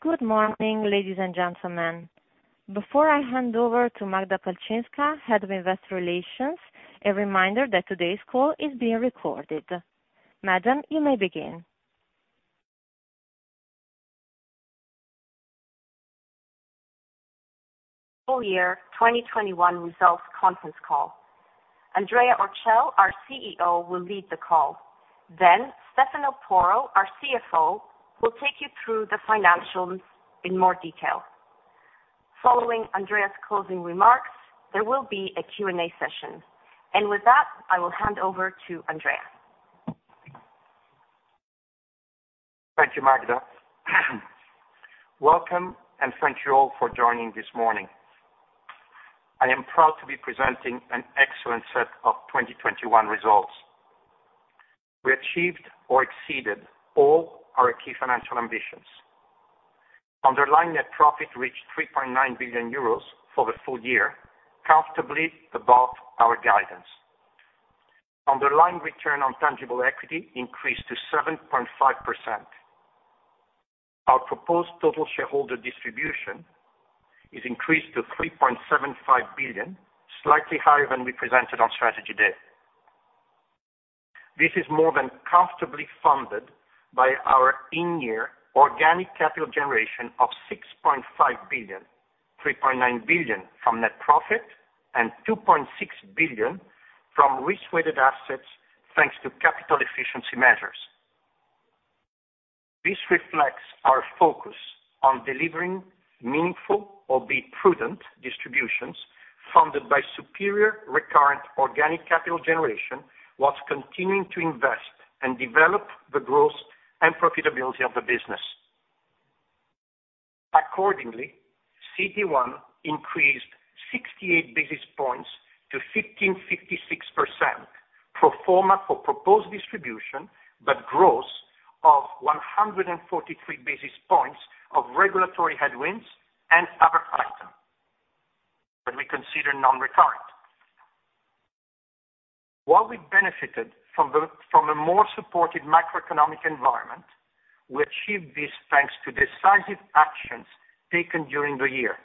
Good morning, ladies and gentlemen. Before I hand over to Magda Palczynska, Head of Investor Relations, a reminder that today's call is being recorded. Madam, you may begin. Full-Year 2021 Results Conference Call. Andrea Orcel, our CEO, will lead the call. Then Stefano Porro, our CFO, will take you through the financials in more detail. Following Andrea's closing remarks, there will be a Q&A session. With that, I will hand over to Andrea. Thank you, Magda. Welcome and thank you all for joining this morning. I am proud to be presenting an excellent set of 2021 results. We achieved or exceeded all our key financial ambitions. Underlying net profit reached 3.9 billion euros for the full year, comfortably above our guidance. Underlying return on tangible equity increased to 7.5%. Our proposed total shareholder distribution is increased to 3.75 billion, slightly higher than we presented on Strategy Day. This is more than comfortably funded by our in-year organic capital generation of 6.5 billion, 3.9 billion from net profit and 2.6 billion from risk-weighted assets, thanks to capital efficiency measures. This reflects our focus on delivering meaningful albeit prudent distributions funded by superior recurrent organic capital generation, whilst continuing to invest and develop the growth and profitability of the business. Accordingly, CET1 increased 68 basis points to 15.56% pro forma for proposed distribution, but gross of 143 basis points of regulatory headwinds and other items that we consider non-recurrent. While we benefited from a more supported macroeconomic environment, we achieved this thanks to decisive actions taken during the year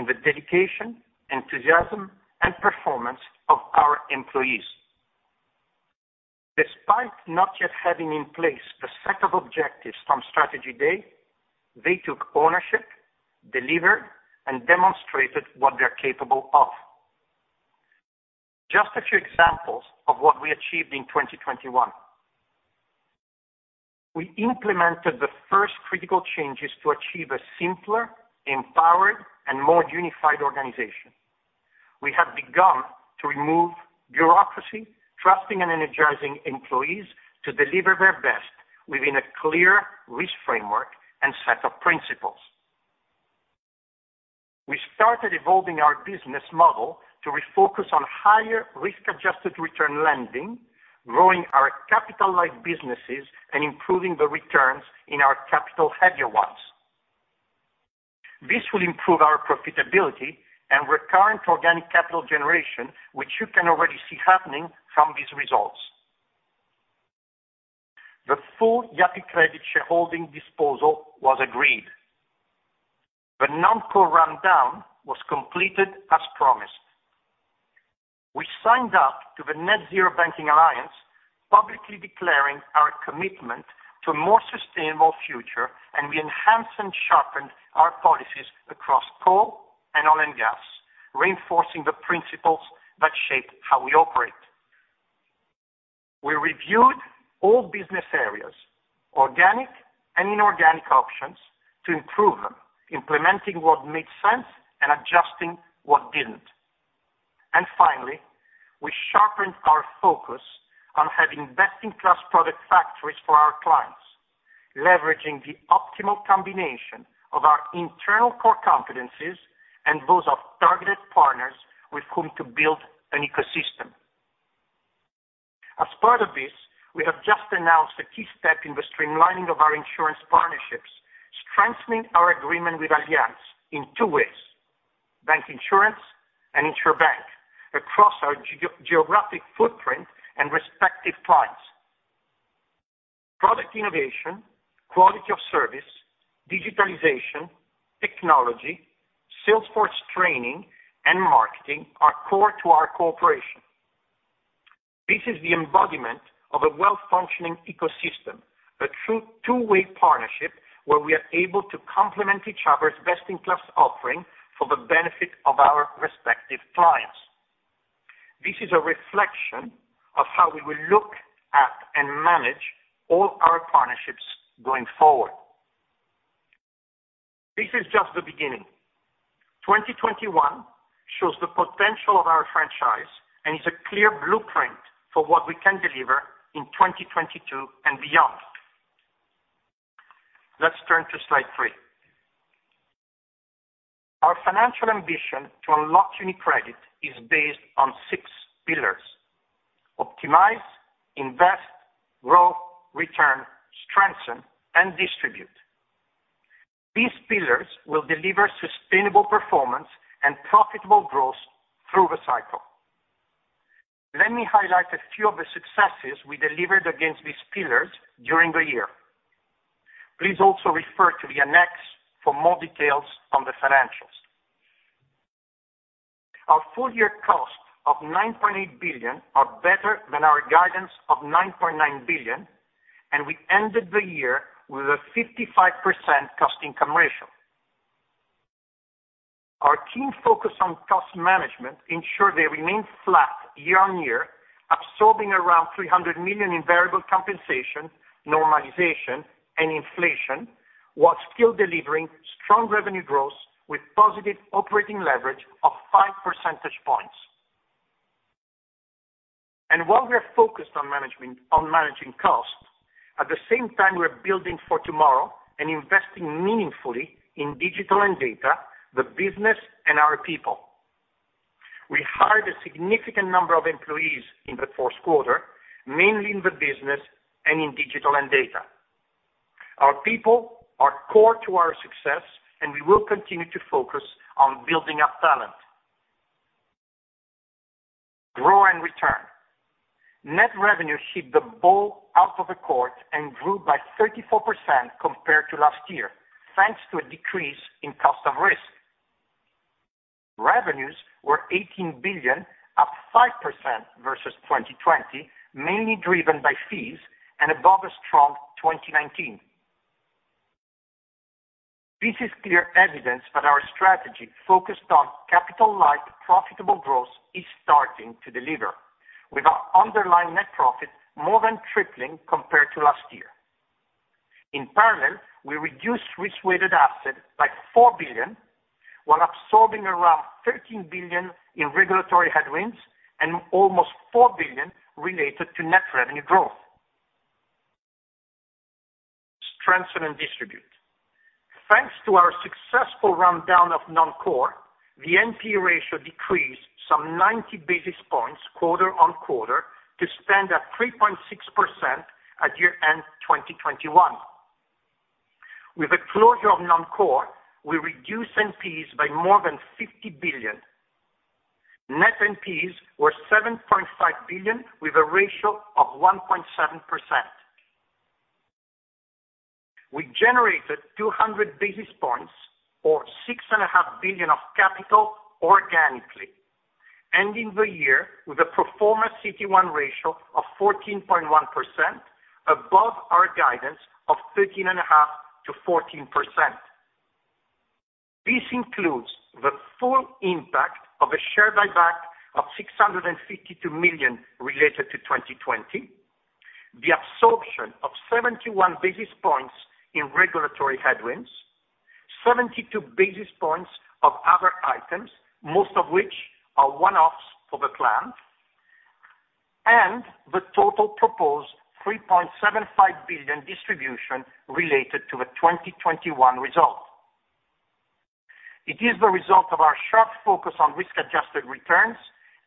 and the dedication, enthusiasm and performance of our employees. Despite not yet having in place the set of objectives from Strategy Day, they took ownership, delivered and demonstrated what they're capable of. Just a few examples of what we achieved in 2021. We implemented the first critical changes to achieve a simpler, empowered and more unified organization. We have begun to remove bureaucracy, trusting and energizing employees to deliver their best within a clear risk framework and set of principles. We started evolving our business model to refocus on higher risk-adjusted return lending, growing our capital-light businesses and improving the returns in our capital heavier ones. This will improve our profitability and recurrent organic capital generation, which you can already see happening from these results. The full Yapı Kredi shareholding disposal was agreed. The Non-Core rundown was completed as promised. We signed up to the Net-Zero Banking Alliance, publicly declaring our commitment to a more sustainable future, and we enhanced and sharpened our policies across coal and oil and gas, reinforcing the principles that shape how we operate. We reviewed all business areas, organic and inorganic options to improve them, implementing what made sense and adjusting what didn't. Finally, we sharpened our focus on having best-in-class product factories for our clients, leveraging the optimal combination of our internal core competencies and those of targeted partners with whom to build an ecosystem. As part of this, we have just announced a key step in the streamlining of our insurance partnerships, strengthening our agreement with Allianz in two ways, Bancassurance and insure-banking across our geographic footprint and respective clients. Product innovation, quality of service, digitalization, technology, sales force training and marketing are core to our cooperation. This is the embodiment of a well-functioning ecosystem, a true two-way partnership where we are able to complement each other's best-in-class offering for the benefit of our respective clients. This is a reflection of how we will look at and manage all our partnerships going forward. This is just the beginning. 2021 shows the potential of our franchise and is a clear blueprint for what we can deliver in 2022 and beyond. Let's turn to slide 3. Our financial ambition to unlock UniCredit is based on 6 pillars: optimize, invest, grow, return, strengthen and distribute. These pillars will deliver sustainable performance and profitable growth through the cycle. Let me highlight a few of the successes we delivered against these pillars during the year. Please also refer to the annex for more details on the financials. Our full year cost of 9.8 billion are better than our guidance of 9.9 billion, and we ended the year with a 55% cost-income ratio. Our team focused on cost management to ensure they remain flat year-on-year, absorbing around 300 million in variable compensation, normalization, and inflation, while still delivering strong revenue growth with positive operating leverage of 5 percentage points. While we are focused on managing costs, at the same time, we're building for tomorrow and investing meaningfully in digital and data, the business and our people. We hired a significant number of employees in the fourth quarter, mainly in the business and in digital and data. Our people are core to our success, and we will continue to focus on building our talent. Grow and return. Net revenue hit the ball out of the park and grew by 34% compared to last year, thanks to a decrease in cost of risk. Revenues were 18 billion, up 5% versus 2020, mainly driven by fees and above a strong 2019. This is clear evidence that our strategy focused on capital-light, profitable growth is starting to deliver, with our underlying net profit more than tripling compared to last year. In parallel, we reduced risk-weighted assets by 4 billion, while absorbing around 13 billion in regulatory headwinds and almost 4 billion related to net revenue growth. Strengthen and distribute. Thanks to our successful rundown of Non-Core, the NPE ratio decreased some 90 basis points quarter on quarter to stand at 3.6% at year-end 2021. With the closure of Non-Core, we reduced NPEs by more than 50 billion. Net NPEs were 7.5 billion with a ratio of 1.7%. We generated 200 basis points or 6.5 billion of capital organically, ending the year with a pro forma CET1 ratio of 14.1% above our guidance of 13.5%-14%. This includes the full impact of a share buyback of 652 million related to 2020, the absorption of 71 basis points in regulatory headwinds, 72 basis points of other items, most of which are one-offs for the plan, and the total proposed 3.75 billion distribution related to the 2021 result. It is the result of our sharp focus on risk-adjusted returns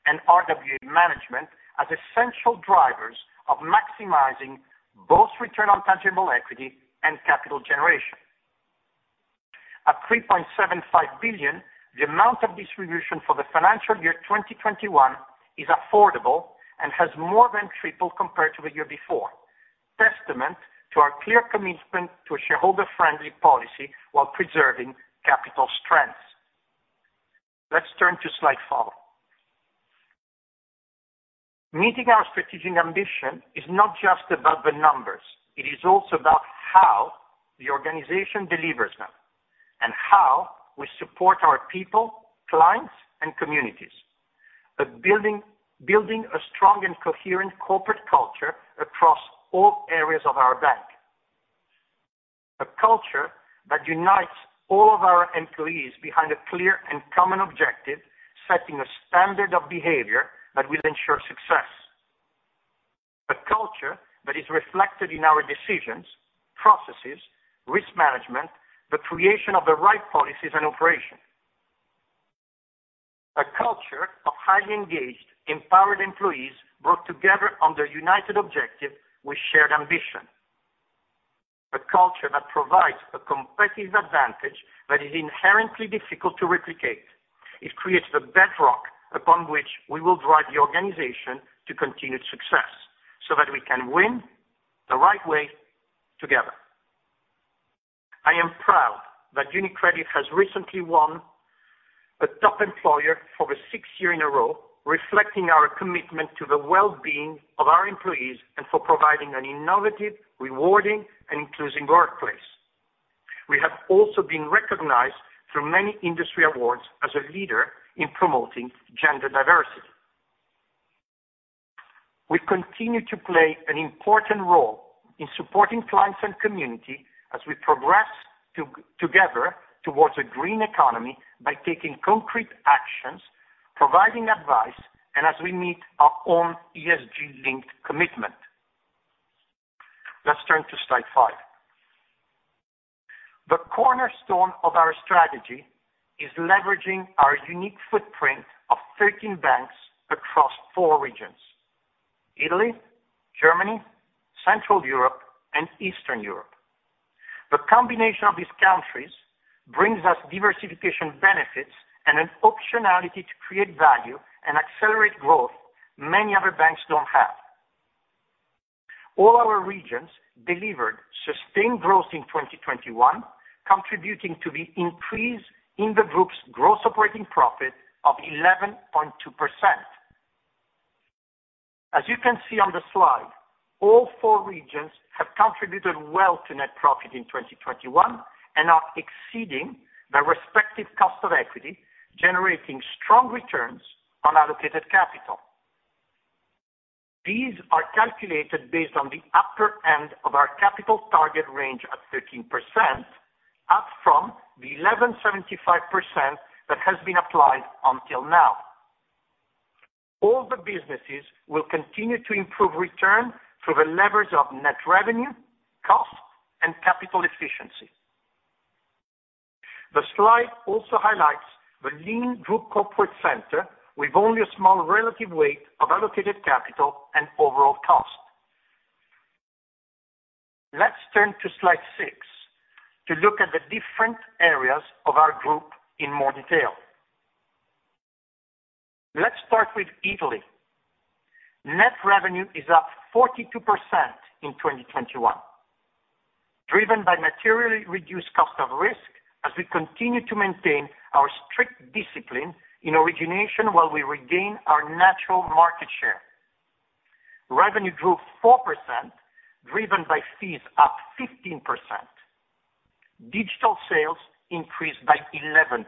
and RWA management as essential drivers of maximizing both return on tangible equity and capital generation. At 3.75 billion, the amount of distribution for the financial year 2021 is affordable and has more than tripled compared to the year before, testament to our clear commitment to a shareholder-friendly policy while preserving capital strength. Let's turn to slide 4. Meeting our strategic ambition is not just about the numbers. It is also about how the organization delivers them and how we support our people, clients, and communities. Building a strong and coherent corporate culture across all areas of our bank. A culture that unites all of our employees behind a clear and common objective, setting a standard of behavior that will ensure success. A culture that is reflected in our decisions, processes, risk management, the creation of the right policies and operations. A culture of highly engaged, empowered employees worked together under a united objective with shared ambition. A culture that provides a competitive advantage that is inherently difficult to replicate. It creates the bedrock upon which we will drive the organization to continued success so that we can win the right way together. I am proud that UniCredit has recently won a Top Employer for the sixth year in a row, reflecting our commitment to the well-being of our employees and for providing an innovative, rewarding and inclusive workplace. We have also been recognized through many industry awards as a leader in promoting gender diversity. We continue to play an important role in supporting clients and community as we progress together towards a green economy by taking concrete actions, providing advice, and as we meet our own ESG-linked commitment. Let's turn to slide five. The cornerstone of our strategy is leveraging our unique footprint of 13 banks across four regions: Italy, Germany, Central Europe, and Eastern Europe. The combination of these countries brings us diversification benefits and an optionality to create value and accelerate growth many other banks don't have. All our regions delivered sustained growth in 2021, contributing to the increase in the group's gross operating profit of 11.2%. As you can see on the slide, all four regions have contributed well to net profit in 2021 and are exceeding their respective cost of equity, generating strong returns on allocated capital. These are calculated based on the upper end of our capital target range of 13%, up from the 11.75% that has been applied until now. All the businesses will continue to improve return through the levers of net revenue, cost, and capital efficiency. The slide also highlights the leanGroup Corporate Centre with only a small relative weight of allocated capital and overall cost. Let's turn to slide 6 to look at the different areas of our group in more detail. Let's start with Italy. Net revenue is up 42% in 2021, driven by materially reduced cost of risk as we continue to maintain our strict discipline in origination while we regain our natural market share. Revenue grew 4%, driven by fees up 15%. Digital sales increased by 11%.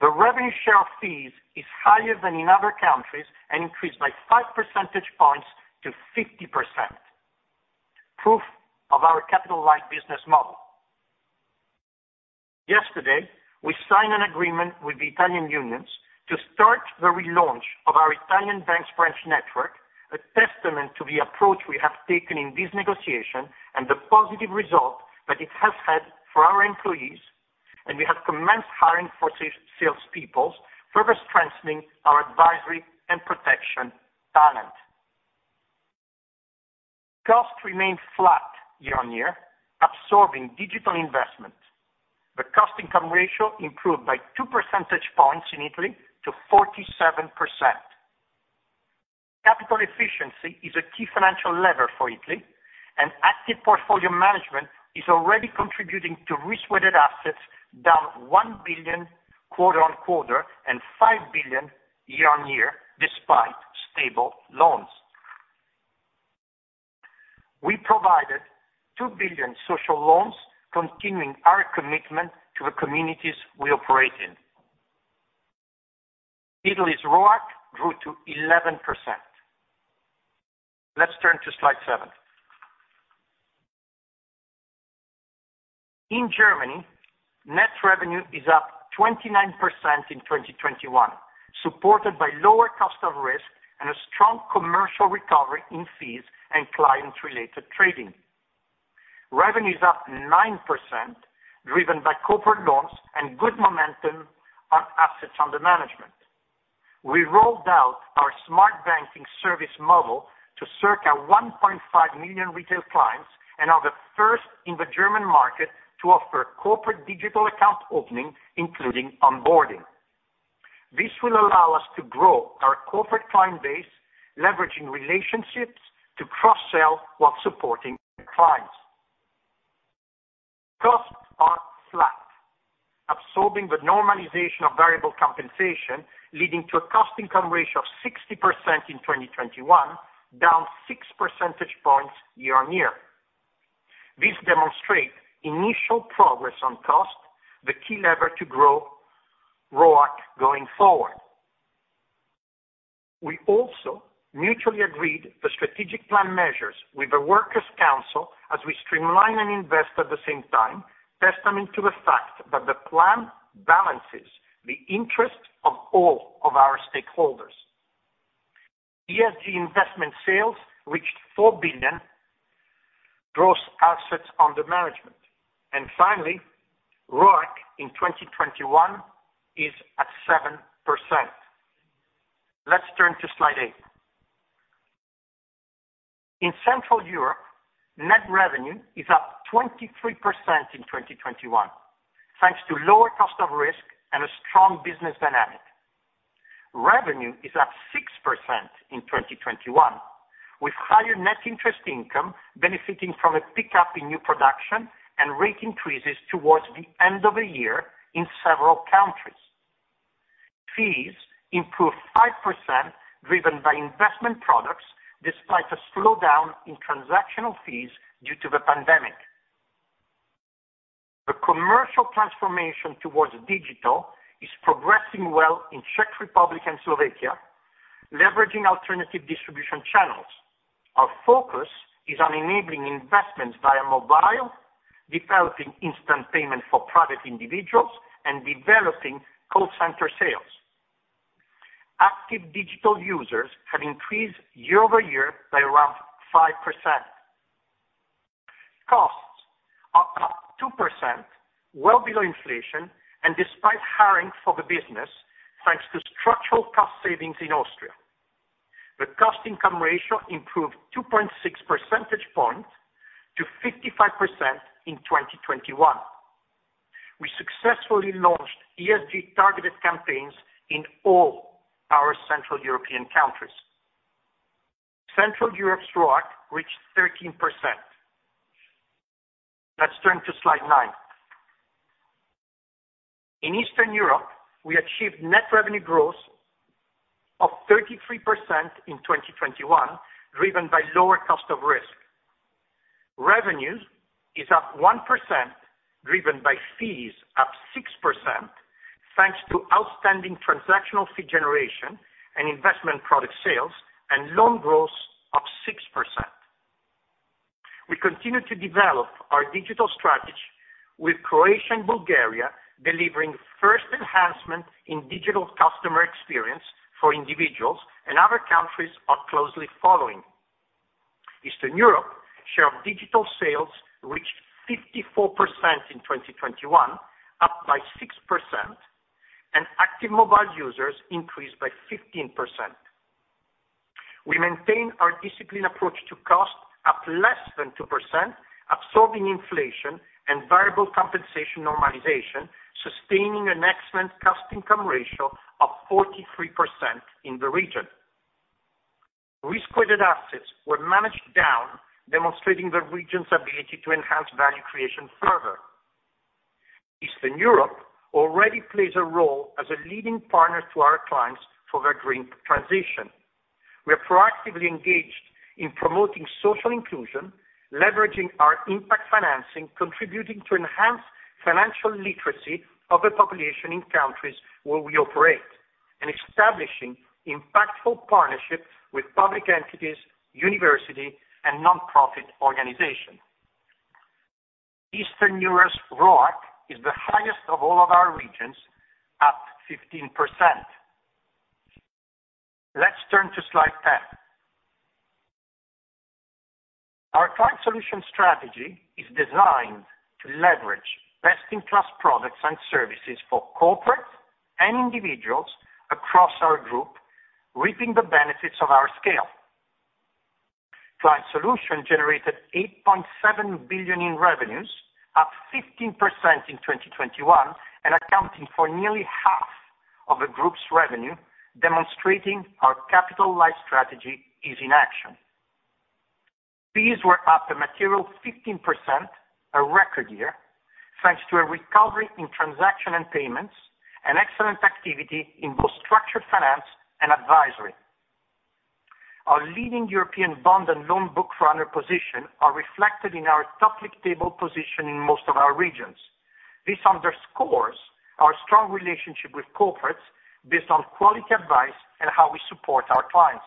The revenue share of fees is higher than in other countries and increased by 5 percentage points to 50%, proof of our capital light business model. Yesterday, we signed an agreement with the Italian unions to start the relaunch of our Italian bank's branch network, a testament to the approach we have taken in this negotiation and the positive result that it has had for our employees, and we have commenced hiring for salespeople, further strengthening our advisory and protection talent. Costs remained flat year-on-year, absorbing digital investment. The cost income ratio improved by two percentage points in Italy to 47%. Capital efficiency is a key financial lever for Italy, and active portfolio management is already contributing to risk-weighted assets down 1 billion quarter-on-quarter and 5 billion year-on-year, despite stable loans. We provided 2 billion social loans, continuing our commitment to the communities we operate in. Italy's ROAC grew to 11%. Let's turn to slide seven. In Germany, net revenue is up 29% in 2021, supported by lower cost of risk and a strong commercial recovery in fees and client-related trading. Revenue is up 9%, driven by corporate loans and good momentum on assets under management. We rolled out our Smart Banking service model to circa 1.5 million retail clients and are the first in the German market to offer corporate digital account opening, including onboarding. This will allow us to grow our corporate client base, leveraging relationships to cross-sell while supporting the clients. Costs are flat, absorbing the normalization of variable compensation, leading to a cost income ratio of 60% in 2021, down 6 percentage points year-on-year. This demonstrate initial progress on cost, the key lever to grow ROAC going forward. We also mutually agreed the strategic plan measures with the workers council as we streamline and invest at the same time, testament to the fact that the plan balances the interest of all of our stakeholders. ESG investment sales reached 4 billion gross assets under management. Finally, ROAC in 2021 is at 7%. Let's turn to slide 8. In Central Europe, net revenue is up 23% in 2021, thanks to lower cost of risk and a strong business dynamic. Revenue is up 6% in 2021, with higher net interest income benefiting from a pickup in new production and rate increases towards the end of the year in several countries. Fees improved 5% driven by investment products despite a slowdown in transactional fees due to the pandemic. The commercial transformation towards digital is progressing well in Czech Republic and Slovakia, leveraging alternative distribution channels. Our focus is on enabling investments via mobile, developing instant payment for private individuals, and developing call center sales. Active digital users have increased year-over-year by around 5%. Costs are up 2%, well below inflation, and despite hiring for the business, thanks to structural cost savings in Austria. The cost income ratio improved 2.6 percentage points to 55% in 2021. We successfully launched ESG targeted campaigns in all our central European countries. Central Europe's ROAC reached 13%. Let's turn to slide 9. In Eastern Europe, we achieved net revenue growth of 33% in 2021, driven by lower cost of risk. Revenues is up 1% driven by fees up 6%, thanks to outstanding transactional fee generation and investment product sales and loan growth up 6%. We continue to develop our digital strategy with Croatia and Bulgaria delivering first enhancement in digital customer experience for individuals, and other countries are closely following. Eastern Europe share of digital sales reached 54% in 2021, up by 6%, and active mobile users increased by 15%. We maintain our disciplined approach to cost up less than 2%, absorbing inflation and variable compensation normalization, sustaining an excellent cost income ratio of 43% in the region. Risk-weighted assets were managed down, demonstrating the region's ability to enhance value creation further. Eastern Europe already plays a role as a leading partner to our clients for their green transition. We are proactively engaged in promoting social inclusion, leveraging our impact financing, contributing to enhanced financial literacy of the population in countries where we operate, and establishing impactful partnerships with public entities, university, and nonprofit organizations. Eastern Europe's ROAC is the highest of all of our regions, up 15%. Let's turn to slide 10. Our Client Solution strategy is designed to leverage best in class products and services for corporates and individuals across our group, reaping the benefits of our scale. Client Solutions generated 8.7 billion in revenues, up 15% in 2021, and accounting for nearly half of the group's revenue, demonstrating our capital light strategy is in action. Fees were up a material 15%, a record year, thanks to a recovery in transaction and payments, and excellent activity in both structured finance and advisory. Our leading European bond and loan book runner position are reflected in our top league table position in most of our regions. This underscores our strong relationship with corporates based on quality advice and how we support our clients.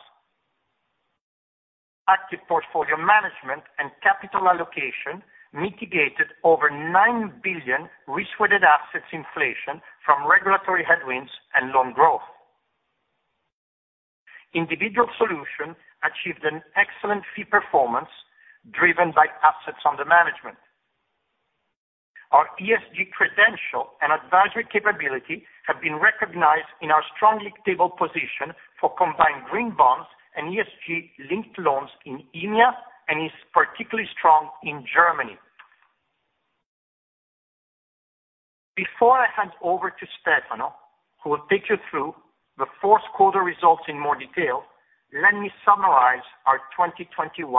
Active portfolio management and capital allocation mitigated over 9 billion risk-weighted assets inflation from regulatory headwinds and loan growth. Individual Solutions achieved an excellent fee performance driven by assets under management. Our ESG credential and advisory capability have been recognized in our strong league table position for combined green bonds and ESG linked loans in EMEA, and is particularly strong in Germany. Before I hand over to Stefano, who will take you through the fourth quarter results in more detail, let me summarize our 2021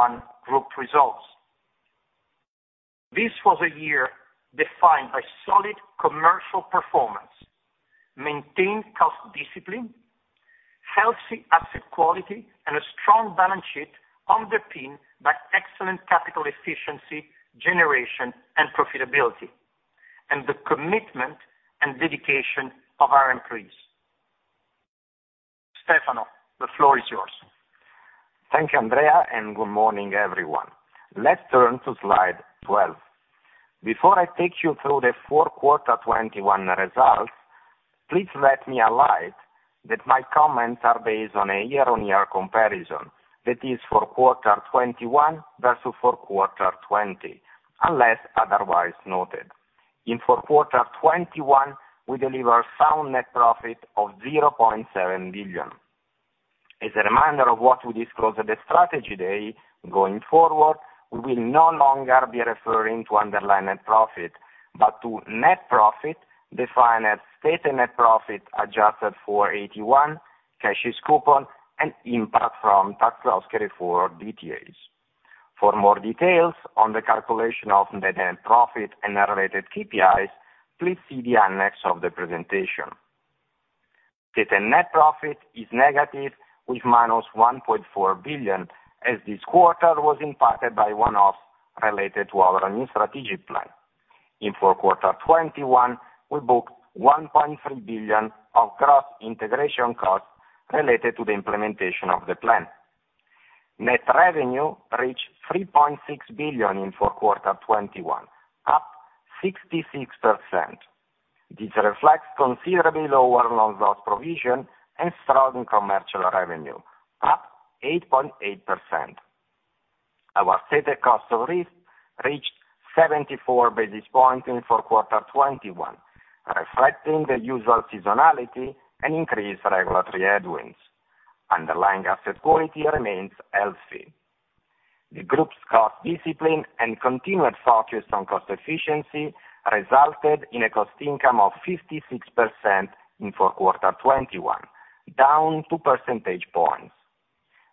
group results. This was a year defined by solid commercial performance, maintained cost discipline, healthy asset quality, and a strong balance sheet underpinned by excellent capital efficiency, generation, and profitability, and the commitment and dedication of our employees. Stefano, the floor is yours. Thank you, Andrea, and good morning, everyone. Let's turn to slide 12. Before I take you through the fourth quarter 2021 results, please let me highlight that my comments are based on a year-on-year comparison. That is for fourth quarter 2021 versus fourth quarter 2020, unless otherwise noted. In fourth quarter 2021, we deliver sound net profit of 0.7 billion. As a reminder of what we disclosed at the Strategy Day, going forward, we will no longer be referring to underlying net profit, but to net profit defined as stated net profit adjusted for IFRS 9, AT1 coupons and impact from tax loss carryforwards DTAs. For more details on the calculation of net profit and related KPIs, please see the annex of the presentation. Stated net profit is negative with -1.4 billion, as this quarter was impacted by one-offs related to our new strategic plan. In fourth quarter 2021, we booked 1.3 billion of gross integration costs related to the implementation of the plan. Net revenue reached 3.6 billion in fourth quarter 2021, up 66%. This reflects considerably lower loan loss provision and strong commercial revenue, up 8.8%. Our stated cost of risk reached 74 basis points in fourth quarter 2021, reflecting the usual seasonality and increased regulatory headwinds. Underlying asset quality remains healthy. The group's cost discipline and continued focus on cost efficiency resulted in a cost income of 56% in fourth quarter 2021, down 2 percentage points.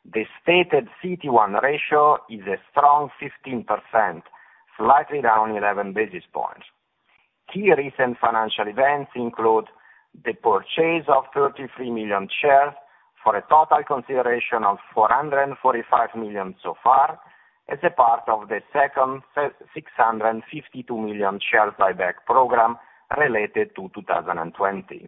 The stated CET1 ratio is a strong 15%, slightly down 11 basis points. Key recent financial events include the purchase of 33 million shares for a total consideration of 445 million so far as a part of the second 652 million share buyback program related to 2020.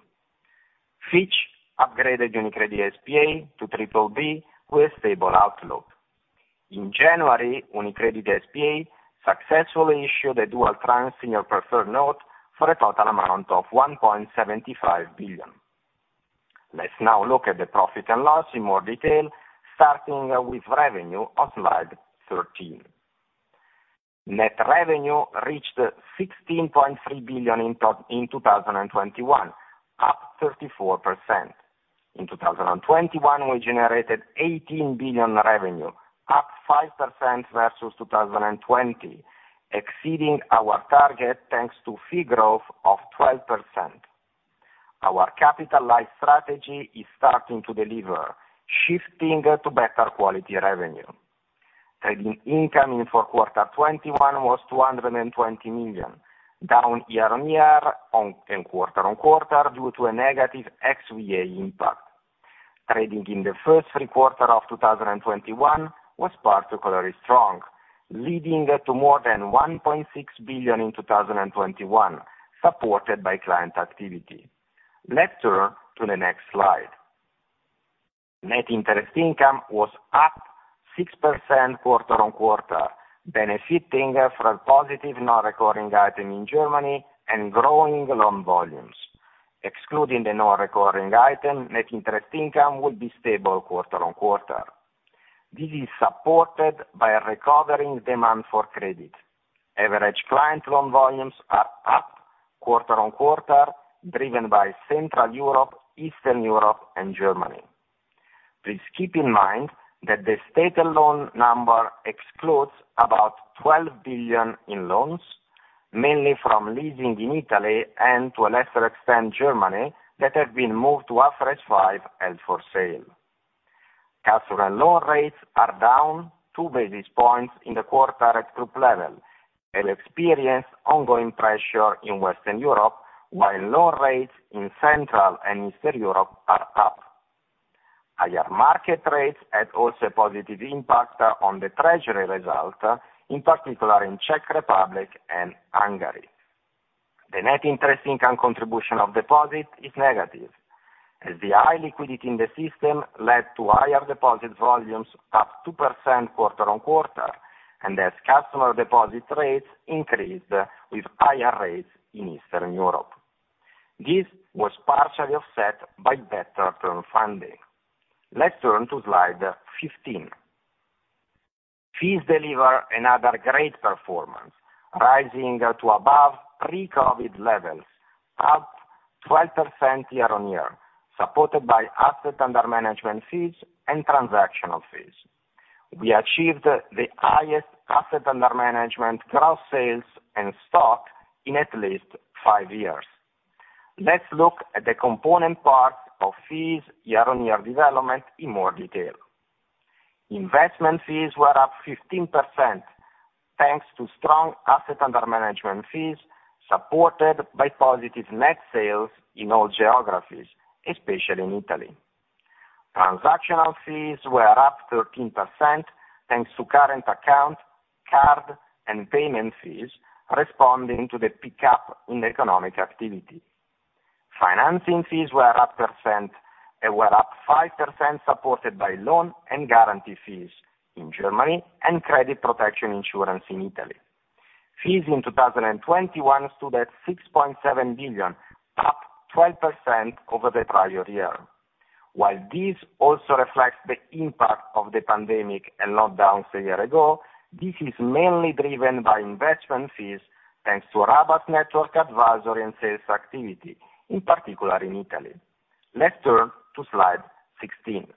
Fitch upgraded UniCredit S.p.A. to triple B with stable outlook. In January, UniCredit S.p.A. successfully issued a dual-tranche senior preferred note for a total amount of 1.75 billion. Let's now look at the profit and loss in more detail, starting with revenue on slide 13. Net revenue reached 16.3 billion in 2021, up 34%. In 2021, we generated 18 billion revenue, up 5% versus 2020, exceeding our target, thanks to fee growth of 12%. Our capital-light strategy is starting to deliver, shifting to better quality revenue. Trading income in fourth quarter 2021 was 220 million, down year-on-year and quarter-on-quarter due to a negative XVA impact. Trading in the first three quarters of 2021 was particularly strong, leading to more than 1.6 billion in 2021, supported by client activity. Let's turn to the next slide. Net interest income was up 6% quarter-on-quarter, benefiting from positive non-recurring item in Germany and growing loan volumes. Excluding the non-recurring item, net interest income would be stable quarter-on-quarter. This is supported by a recovering demand for credit. Average client loan volumes are up quarter-on-quarter, driven by Central Europe, Eastern Europe, and Germany. Please keep in mind that the stated loan number excludes about 12 billion in loans, mainly from leasing in Italy and to a lesser extent, Germany, that have been moved to IFRS 5 held for sale. Customer loan rates are down 2 basis points in the quarter at group level and experience ongoing pressure in Western Europe, while loan rates in Central and Eastern Europe are up. Higher market rates had also a positive impact on the treasury result, in particular in Czech Republic and Hungary. The net interest income contribution of deposit is negative, as the high liquidity in the system led to higher deposit volumes, up 2% quarter on quarter, and as customer deposit rates increased with higher rates in Eastern Europe. This was partially offset by better term funding. Let's turn to slide 15. Fees deliver another great performance, rising to above pre-COVID levels, up 12% year-on-year, supported by assets under management fees and transactional fees. We achieved the highest assets under management cross-sales and stock in at least five years. Let's look at the component parts of fees year-on-year development in more detail. Investment fees were up 15%, thanks to strong assets under management fees, supported by positive net sales in all geographies, especially in Italy. Transactional fees were up 13%, thanks to current account, card, and payment fees responding to the pickup in economic activity. Financing fees were up 5%, supported by loan and guarantee fees in Germany and credit protection insurance in Italy. Fees in 2021 stood at 6.7 billion, up 12% over the prior year. While this also reflects the impact of the pandemic and lockdowns a year ago, this is mainly driven by investment fees, thanks to Rete Advisory and sales activity, in particular in Italy. Let's turn to slide 16.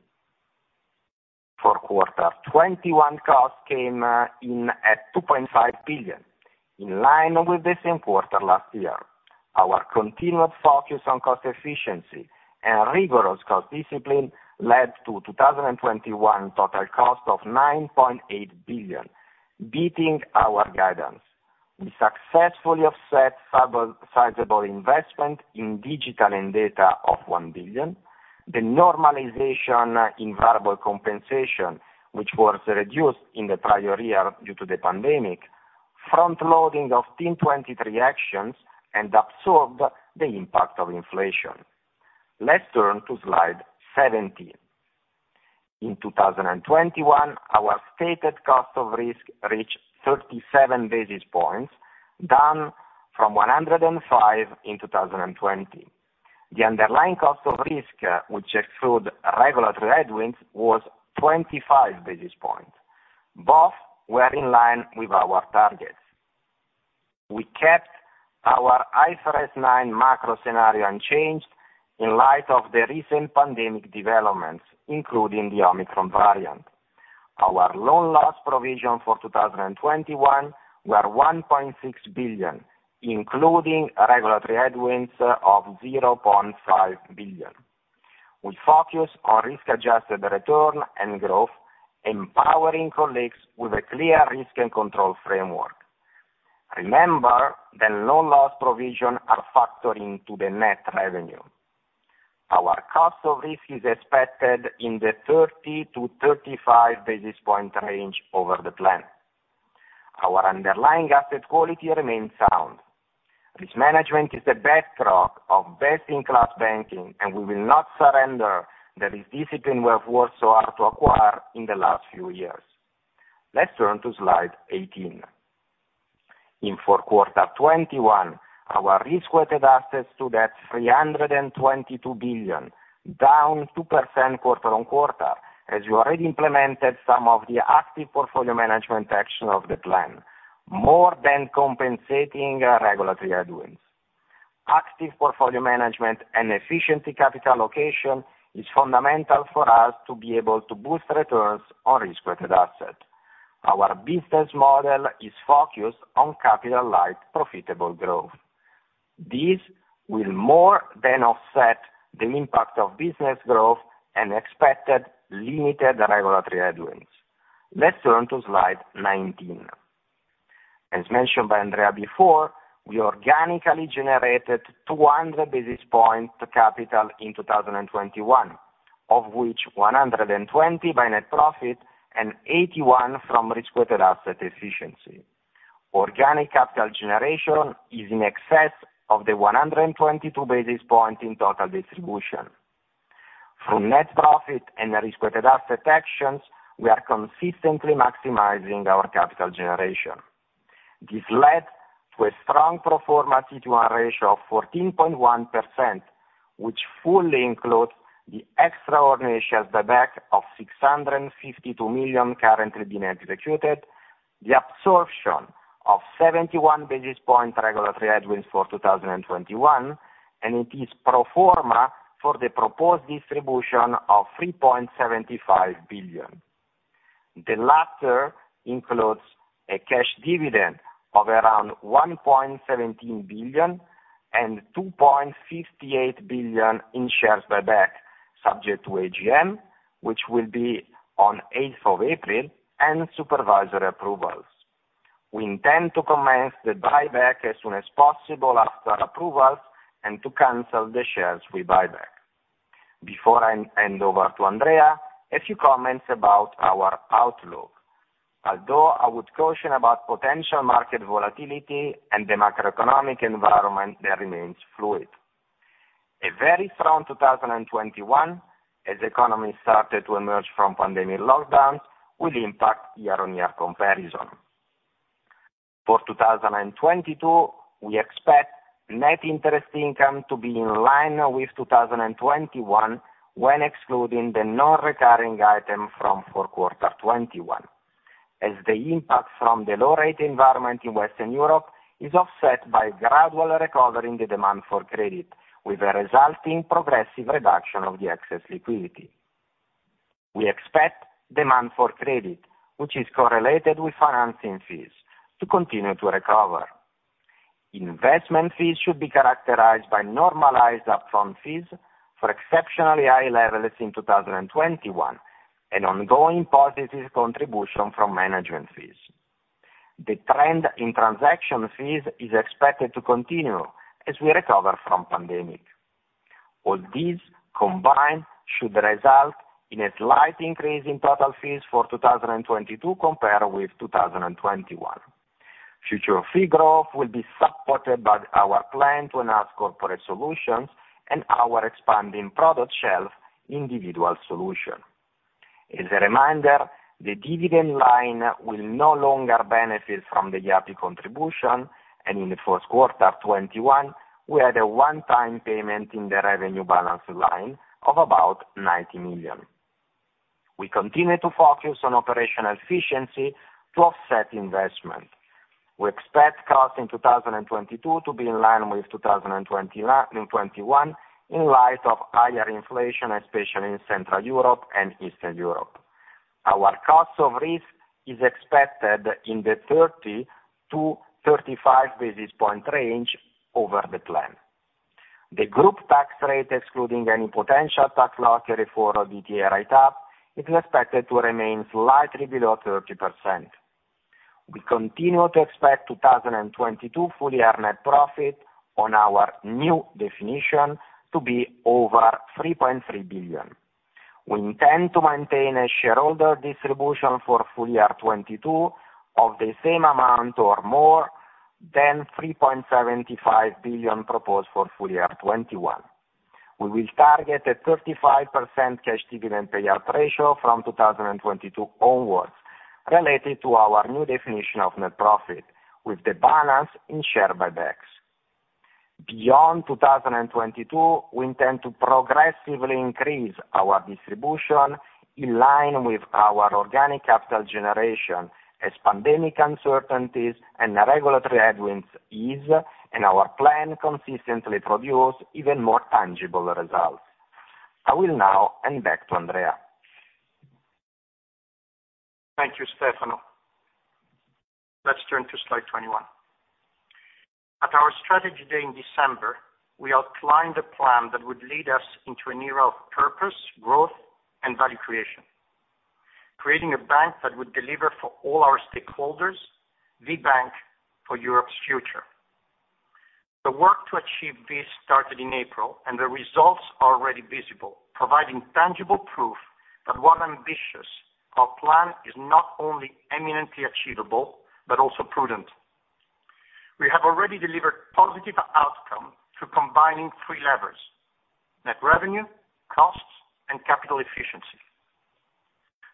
For Q1 2021, costs came in at 2.5 billion, in line with the same quarter last year. Our continued focus on cost efficiency and rigorous cost discipline led to 2021 total cost of 9.8 billion, beating our guidance. We successfully offset fairly sizable investment in digital and data of 1 billion, the normalization in variable compensation, which was reduced in the prior year due to the pandemic, frontloading of Team 23 actions, and absorbed the impact of inflation. Let's turn to slide 17. In 2021, our stated cost of risk reached 37 basis points, down from 105 in 2020. The underlying cost of risk, which exclude regulatory headwinds, was 25 basis points. Both were in line with our targets. We kept our IFRS 9 macro scenario unchanged in light of the recent pandemic developments, including the Omicron variant. Our loan loss provision for 2021 were 1.6 billion, including regulatory headwinds of 0.5 billion. We focus on risk-adjusted return and growth, empowering colleagues with a clear risk and control framework. Remember, the loan loss provision are factoring to the net revenue. Our cost of risk is expected in the 30 basis points-35 basis point range over the plan. Our underlying asset quality remains sound. Risk management is the bedrock of best-in-class banking, and we will not surrender the risk discipline we have worked so hard to acquire in the last few years. Let's turn to slide 18. In 4Q 2021, our risk-weighted assets stood at 322 billion, down 2% quarter-on-quarter, as we already implemented some of the active portfolio management action of the plan, more than compensating regulatory headwinds. Active portfolio management and efficiency capital allocation is fundamental for us to be able to boost returns on risk-weighted asset. Our business model is focused on capital light, profitable growth. This will more than offset the impact of business growth and expected limited regulatory headwinds. Let's turn to slide 19. As mentioned by Andrea before, we organically generated 200 basis points capital in 2021, of which 120 by net profit and 81 from risk-weighted asset efficiency. Organic capital generation is in excess of the 122 basis point in total distribution. Through net profit and risk-weighted asset actions, we are consistently maximizing our capital generation. This led to a strong pro forma CET1 ratio of 14.1%, which fully includes the extraordinary shares buyback of 652 million currently being executed, the absorption of 71 basis points regulatory headwinds for 2021, and it is pro forma for the proposed distribution of 3.75 billion. The latter includes a cash dividend of around 1.17 billion and 2.58 billion in shares buyback, subject to AGM, which will be on eighth of April, and supervisory approvals. We intend to commence the buyback as soon as possible after approvals and to cancel the shares we buy back. Before I hand over to Andrea, a few comments about our outlook. Although I would caution about potential market volatility and the macroeconomic environment that remains fluid. A very strong 2021, as economy started to emerge from pandemic lockdowns, will impact year-on-year comparison. For 2022, we expect net interest income to be in line with 2021 when excluding the non-recurring item from fourth quarter 2021. As the impact from the low rate environment in Western Europe is offset by gradual recovery in the demand for credit, with a resulting progressive reduction of the excess liquidity. We expect demand for credit, which is correlated with financing fees, to continue to recover. Investment fees should be characterized by normalized upfront fees from exceptionally high levels in 2021, an ongoing positive contribution from management fees. The trend in transaction fees is expected to continue as we recover from the pandemic. All these combined should result in a slight increase in total fees for 2022 compared with 2021. Future fee growth will be supported by our plan to enhance corporate solutions and our expanding product shelf of Individual Solutions. As a reminder, the dividend line will no longer benefit from the Yapı Kredi contribution, and in the first quarter 2021, we had a one-time payment in the revenue balance line of about 90 million. We continue to focus on operational efficiency to offset investment. We expect costs in 2022 to be in line with 2021 in light of higher inflation, especially in Central Europe and Eastern Europe. Our cost of risk is expected in the 30-35 basis point range over the plan. The group tax rate, excluding any potential tax liability for DTA write-up, is expected to remain slightly below 30%. We continue to expect 2022 full-year net profit on our new definition to be over 3.3 billion. We intend to maintain a shareholder distribution for full-year 2022 of the same amount or more than 3.75 billion proposed for full-year 2021. We will target a 35% cash dividend payout ratio from 2022 onwards. Related to our new definition of net profit, with the balance in share buybacks. Beyond 2022, we intend to progressively increase our distribution in line with our organic capital generation as pandemic uncertainties and regulatory headwinds ease and our plan consistently produce even more tangible results. I will now hand back to Andrea. Thank you, Stefano. Let's turn to slide 21. At our Strategy Day in December, we outlined a plan that would lead us into an era of purpose, growth and value creation, creating a bank that would deliver for all our stakeholders, the bank for Europe's future. The work to achieve this started in April, and the results are already visible, providing tangible proof that while ambitious, our plan is not only eminently achievable but also prudent. We have already delivered positive outcome through combining three levers, net revenue, costs, and capital efficiency.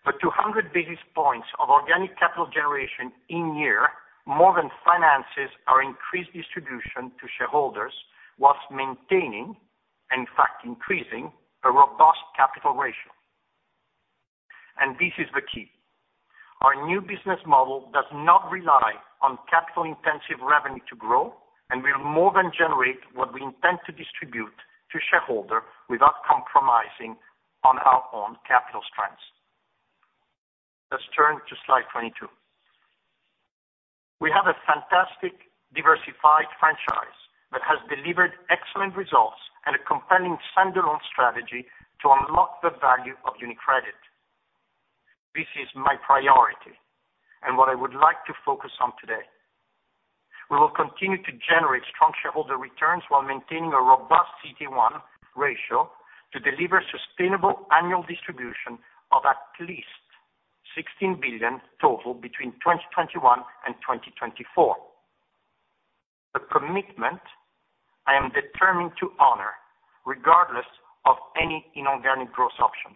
The 200 basis points of organic capital generation in year more than finances our increased distribution to shareholders while maintaining, and in fact, increasing a robust capital ratio. This is the key. Our new business model does not rely on capital intensive revenue to grow, and we'll more than generate what we intend to distribute to shareholder without compromising on our own capital strengths. Let's turn to slide 22. We have a fantastic diversified franchise that has delivered excellent results and a compelling standalone strategy to unlock the value of UniCredit. This is my priority and what I would like to focus on today. We will continue to generate strong shareholder returns while maintaining a robust CET1 ratio to deliver sustainable annual distribution of at least 16 billion total between 2021 and 2024. A commitment I am determined to honor regardless of any inorganic growth option.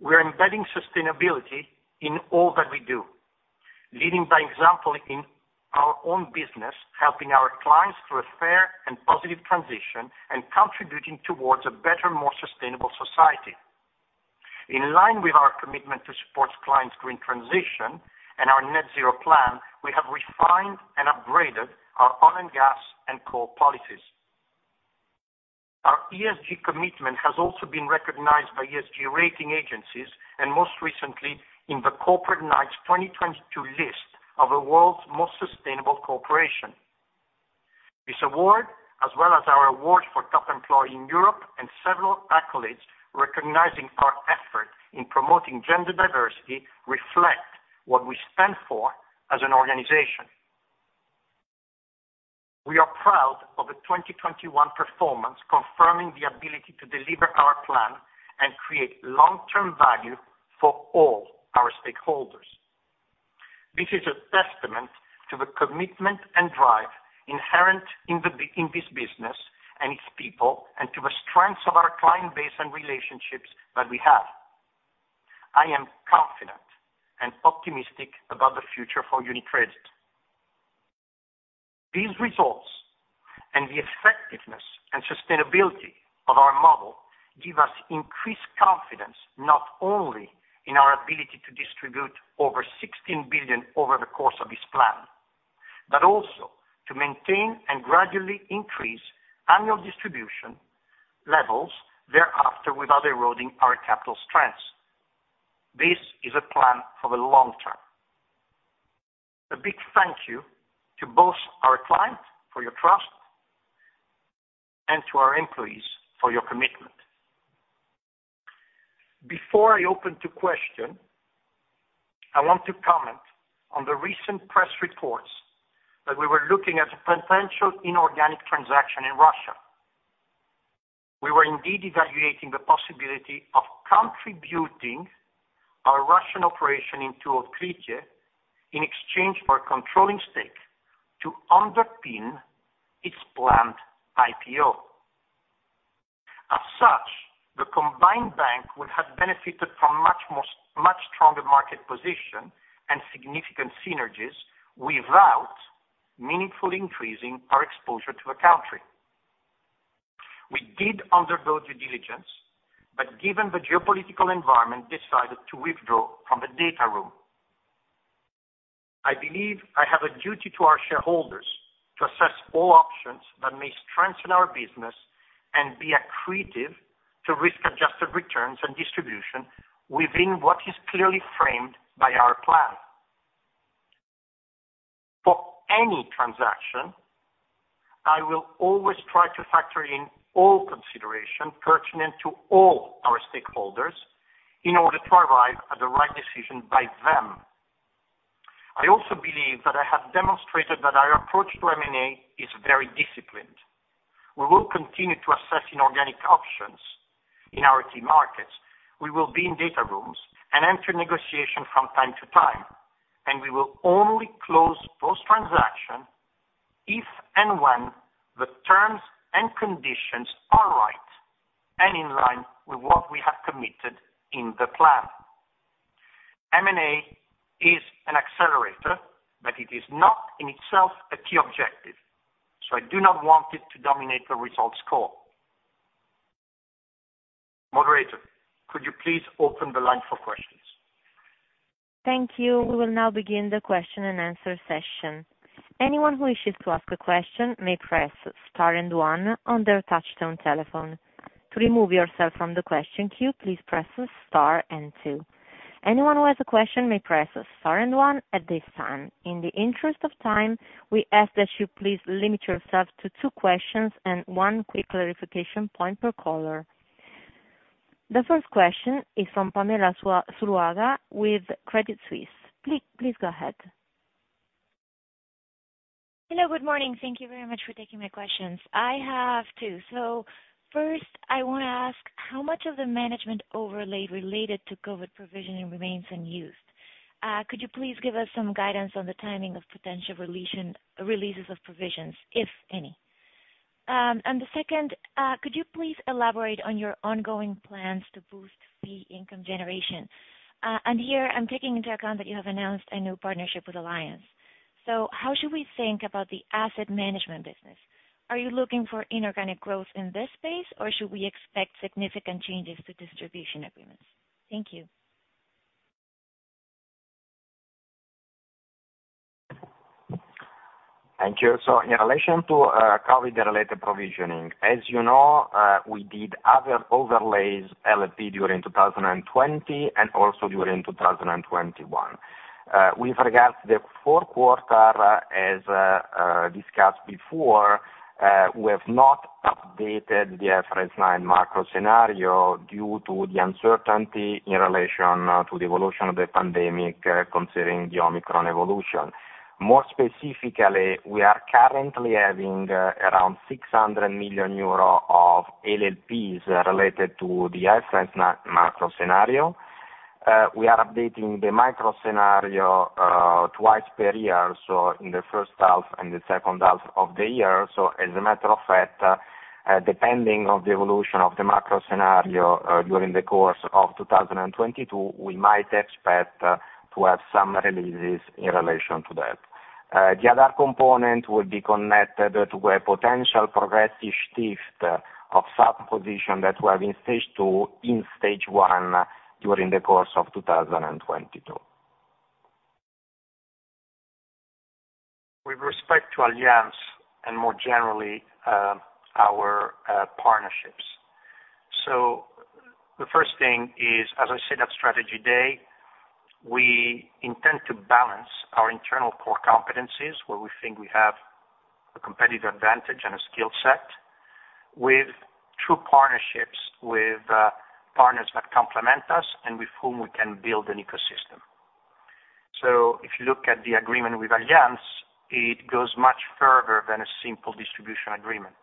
We are embedding sustainability in all that we do, leading by example in our own business, helping our clients through a fair and positive transition, and contributing towards a better, more sustainable society. In line with our commitment to support clients' green transition and our net zero plan, we have refined and upgraded our oil and gas and coal policies. Our ESG commitment has also been recognized by ESG rating agencies and most recently in the Corporate Knights 2022 list of the world's most sustainable corporations. This award, as well as our award for Top Employer in Europe and several accolades recognizing our effort in promoting gender diversity, reflect what we stand for as an organization. We are proud of the 2021 performance, confirming the ability to deliver our plan and create long-term value for all our stakeholders. This is a testament to the commitment and drive inherent in this business and its people, and to the strengths of our client base and relationships that we have. I am confident and optimistic about the future for UniCredit. These results and the effectiveness and sustainability of our model give us increased confidence, not only in our ability to distribute over 16 billion over the course of this plan, but also to maintain and gradually increase annual distribution levels thereafter without eroding our capital strengths. This is a plan for the long term. A big thank you to both our clients for your trust and to our employees for your commitment. Before I open to question, I want to comment on the recent press reports that we were looking at a potential inorganic transaction in Russia. We were indeed evaluating the possibility of contributing our Russian operation into Otkritie in exchange for a controlling stake to underpin its planned IPO. As such, the combined bank would have benefited from much more, much stronger market position and significant synergies without meaningfully increasing our exposure to the country. We did undergo due diligence, but given the geopolitical environment, decided to withdraw from the data room. I believe I have a duty to our shareholders to assess all options that may strengthen our business and be accretive to risk-adjusted returns and distribution within what is clearly framed by our plan. For any transaction, I will always try to factor in all consideration pertinent to all our stakeholders in order to arrive at the right decision by them. I also believe that I have demonstrated that our approach to M&A is very disciplined. We will continue to assess inorganic options in our key markets. We will be in data rooms and enter negotiation from time to time, and we will only close those transactions and when the terms and conditions are right and in line with what we have committed in the plan. M&A is an accelerator, but it is not in itself a key objective, so I do not want it to dominate the results call. Moderator, could you please open the line for questions? Thank you. We will now begin the question and answer session. Anyone who wishes to ask a question may press star and one on their touchtone telephone. To remove yourself from the question queue, please press star and two. Anyone who has a question may press star and one at this time. In the interest of time, we ask that you please limit yourself to two questions and one quick clarification point per caller. The first question is from Pamela Zuluaga with Credit Suisse. Please go ahead. Hello, good morning. Thank you very much for taking my questions. I have two. First, I want to ask how much of the management overlay related to COVID provision remains unused. Could you please give us some guidance on the timing of potential release, releases of provisions, if any? And the second, could you please elaborate on your ongoing plans to boost the income generation? And here I'm taking into account that you have announced a new partnership with Allianz. How should we think about the asset management business? Are you looking for inorganic growth in this space, or should we expect significant changes to distribution agreements? Thank you. Thank you. In relation to COVID related provisioning, as you know, we did other overlays LLP during 2020 and also during 2021. With regards to the fourth quarter, as discussed before, we have not updated the IFRS 9 macro scenario due to the uncertainty in relation to the evolution of the pandemic, considering the Omicron evolution. More specifically, we are currently having around 600 million euro of LLPs related to the IFRS macro scenario. We are updating the micro scenario twice per year, so in the first half and the second half of the year. As a matter of fact, depending on the evolution of the macro scenario during the course of 2022, we might expect to have some releases in relation to that. The other component will be connected to a potential progressive shift of some position that we have in stage two, in stage one during the course of 2022. With respect to Allianz and more generally, our partnerships. The first thing is, as I said at Strategy Day, we intend to balance our internal core competencies, where we think we have a competitive advantage and a skill set, with true partnerships with partners that complement us and with whom we can build an ecosystem. If you look at the agreement with Allianz, it goes much further than a simple distribution agreement.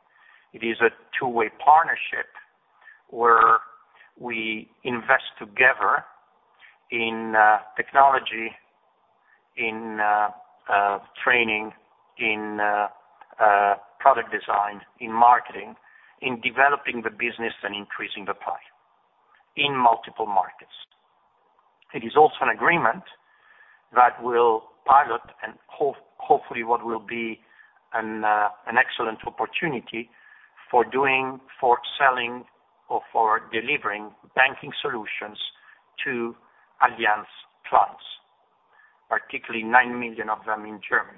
It is a two-way partnership, where we invest together in technology, in training, in product design, in marketing, in developing the business and increasing the pie in multiple markets. It is also an agreement that will pilot and hopefully what will be an excellent opportunity for doing, for selling or for delivering banking solutions to Allianz clients, particularly 9 million of them in Germany.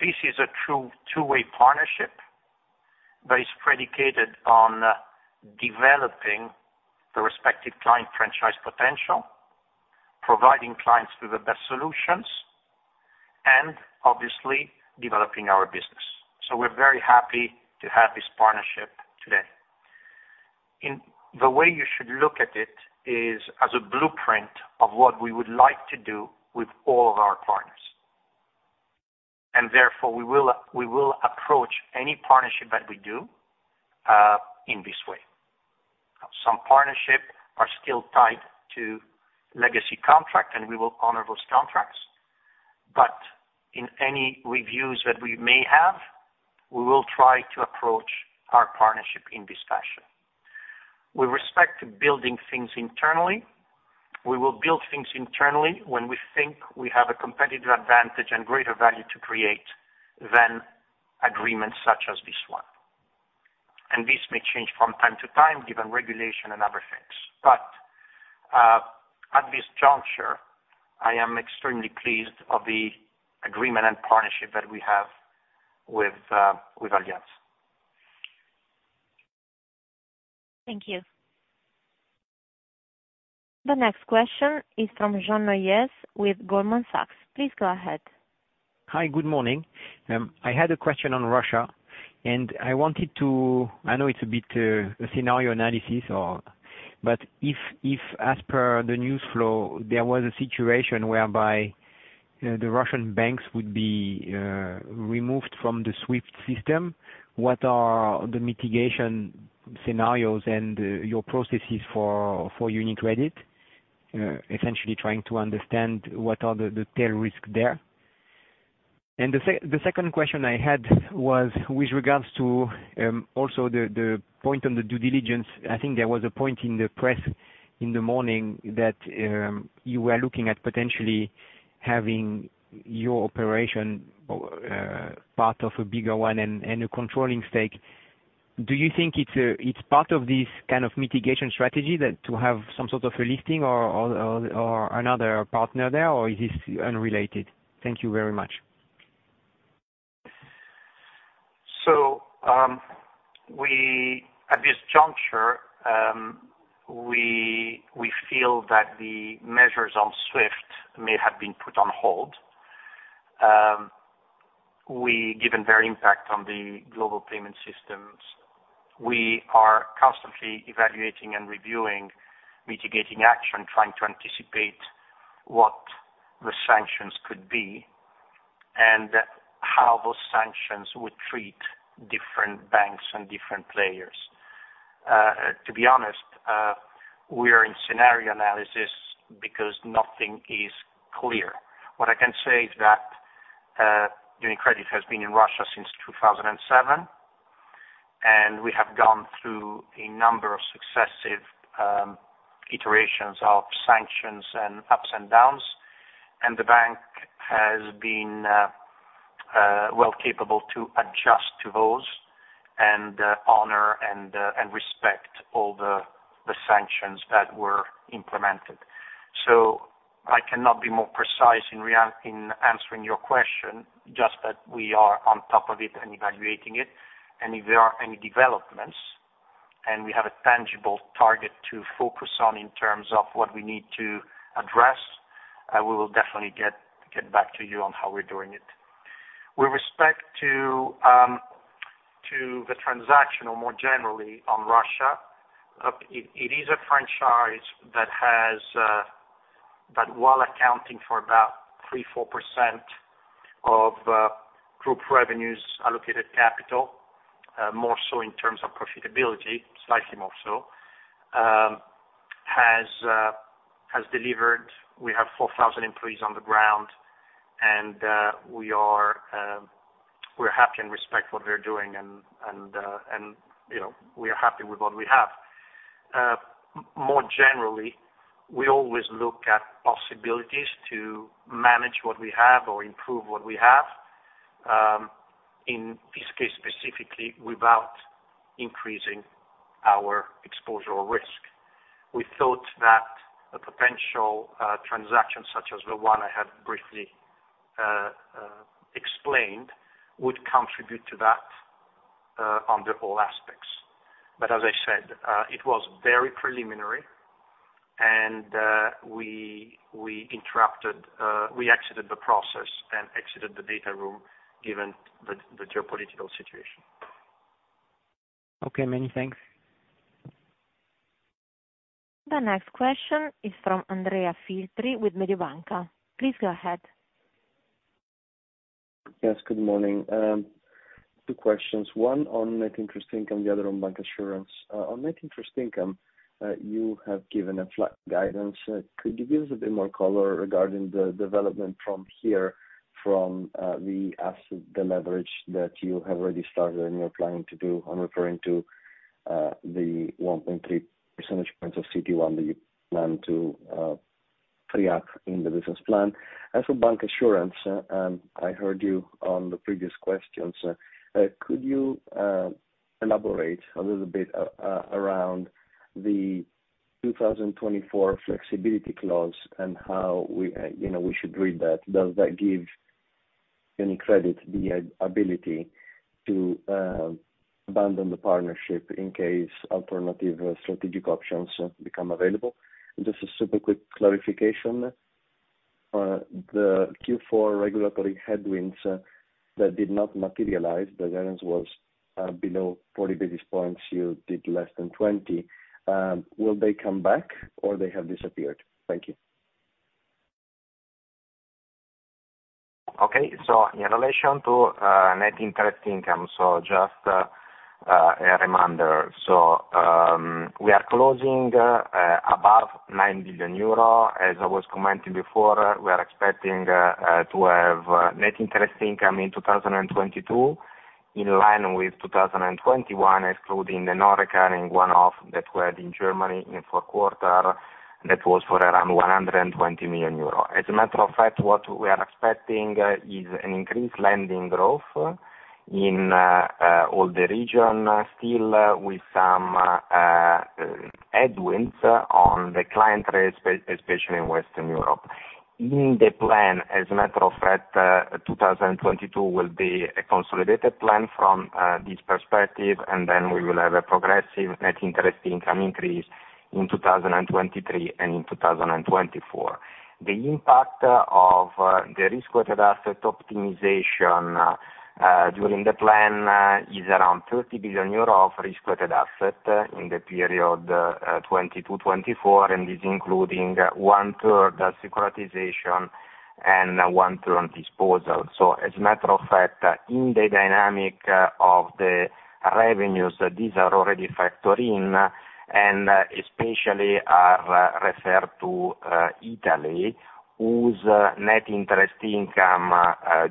This is a true two-way partnership that is predicated on developing the respective client franchise potential, providing clients with the best solutions, and obviously developing our business. We're very happy to have this partnership today. The way you should look at it is as a blueprint of what we would like to do with all of our partners. Therefore we will approach any partnership that we do in this way. Some partnerships are still tied to legacy contracts, and we will honor those contracts. In any reviews that we may have, we will try to approach our partnerships in this fashion. With respect to building things internally, we will build things internally when we think we have a competitive advantage and greater value to create than agreements such as this one. This may change from time to time given regulation and other things. At this juncture, I am extremely pleased of the agreement and partnership that we have with Allianz. Thank you. The next question is from Jean-François Neuez with Goldman Sachs. Please go ahead. Hi, good morning. I had a question on Russia, and I wanted to. I know it's a bit of a scenario analysis, but if, as per the news flow, there was a situation whereby, you know, the Russian banks would be removed from the SWIFT system, what are the mitigation scenarios and your processes for UniCredit? Essentially trying to understand what the tail risk there is. The second question I had was with regards to also the point on the due diligence. I think there was a point in the press in the morning that you were looking at potentially having your operation part of a bigger one and a controlling stake. Do you think it's part of this kind of mitigation strategy that to have some sort of a listing or another partner there, or is this unrelated? Thank you very much. We at this juncture feel that the measures on SWIFT may have been put on hold. We, given their impact on the global payment systems, are constantly evaluating and reviewing mitigating action, trying to anticipate what the sanctions could be and how those sanctions would treat different banks and different players. To be honest, we are in scenario analysis because nothing is clear. What I can say is that UniCredit has been in Russia since 2007, and we have gone through a number of successive iterations of sanctions and ups and downs, and the bank has been well capable to adjust to those and honor and respect all the sanctions that were implemented. I cannot be more precise in answering your question, just that we are on top of it and evaluating it. If there are any developments and we have a tangible target to focus on in terms of what we need to address, I will definitely get back to you on how we're doing it. With respect to the transaction or more generally on Russia, it is a franchise that has that while accounting for about 3%-4% of group revenues allocated capital, more so in terms of profitability, slightly more so, has delivered. We have 4,000 employees on the ground, and we're happy and respect what they're doing, and you know, we are happy with what we have. More generally, we always look at possibilities to manage what we have or improve what we have, in this case, specifically without increasing our exposure or risk. We thought that a potential transaction such as the one I had briefly explained would contribute to that on the whole aspects. As I said, it was very preliminary and we interrupted, we exited the process and exited the data room given the geopolitical situation. Okay. Many thanks. The next question is from Andrea Filtri with Mediobanca. Please go ahead. Yes, good morning. Two questions. One on net interest income, the other on bancassurance. On net interest income, you have given a flat guidance. Could you give us a bit more color regarding the development from here, from the asset leverage that you have already started and you're planning to do? I'm referring to the 1.3 percentage points of CET1 that you plan to free up in the business plan. As for bancassurance, I heard you on the previous questions. Could you elaborate a little bit around the 2024 flexibility clause and how, you know, we should read that? Does that give UniCredit the ability to abandon the partnership in case alternative strategic options become available? And just a super quick clarification. The Q4 regulatory headwinds that did not materialize, the guidance was below 40 basis points, you did less than 20. Will they come back or have they disappeared? Thank you. Okay. In relation to net interest income, just a reminder. We are closing above 9 billion euro. As I was commenting before, we are expecting to have net interest income in 2022 in line with 2021, excluding the non-recurring one-off that we had in Germany in fourth quarter, that was for around 120 million euro. As a matter of fact, what we are expecting is an increased lending growth in all the region, still with some headwinds on the client base, especially in Western Europe. In the plan, as a matter of fact, 2022 will be a consolidated plan from this perspective, and then we will have a progressive net interest income increase in 2023 and in 2024. The impact of the risk-weighted asset optimization during the plan is around 30 billion euro of risk-weighted asset in the period 2022-2024, and is including one-third as securitization and one-third disposal. As a matter of fact, in the dynamic of the revenues, these are already factored in. Especially are referred to Italy, whose net interest income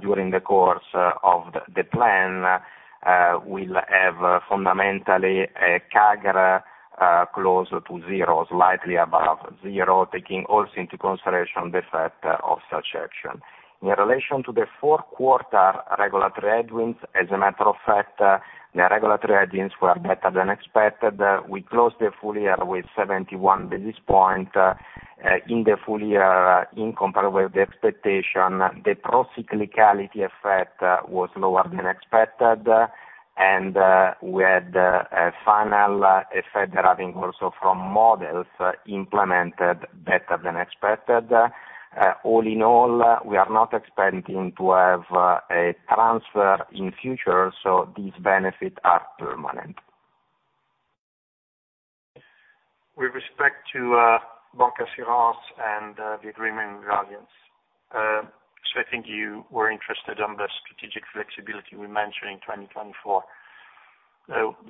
during the course of the plan will have fundamentally a CAGR close to zero, slightly above zero, taking also into consideration the fact of such action. In relation to the fourth quarter regulatory headwinds, as a matter of fact, the regulatory headwinds were better than expected. We closed the full year with 71 basis points. In the full year, in comparison with the expectation, the pro-cyclicality effect was lower than expected, and we had a final effect deriving also from models implemented better than expected. All in all, we are not expecting to have a transfer in future, so these benefits are permanent. With respect to bancassurance and the agreement with Allianz. I think you were interested in the strategic flexibility we mentioned in 2024.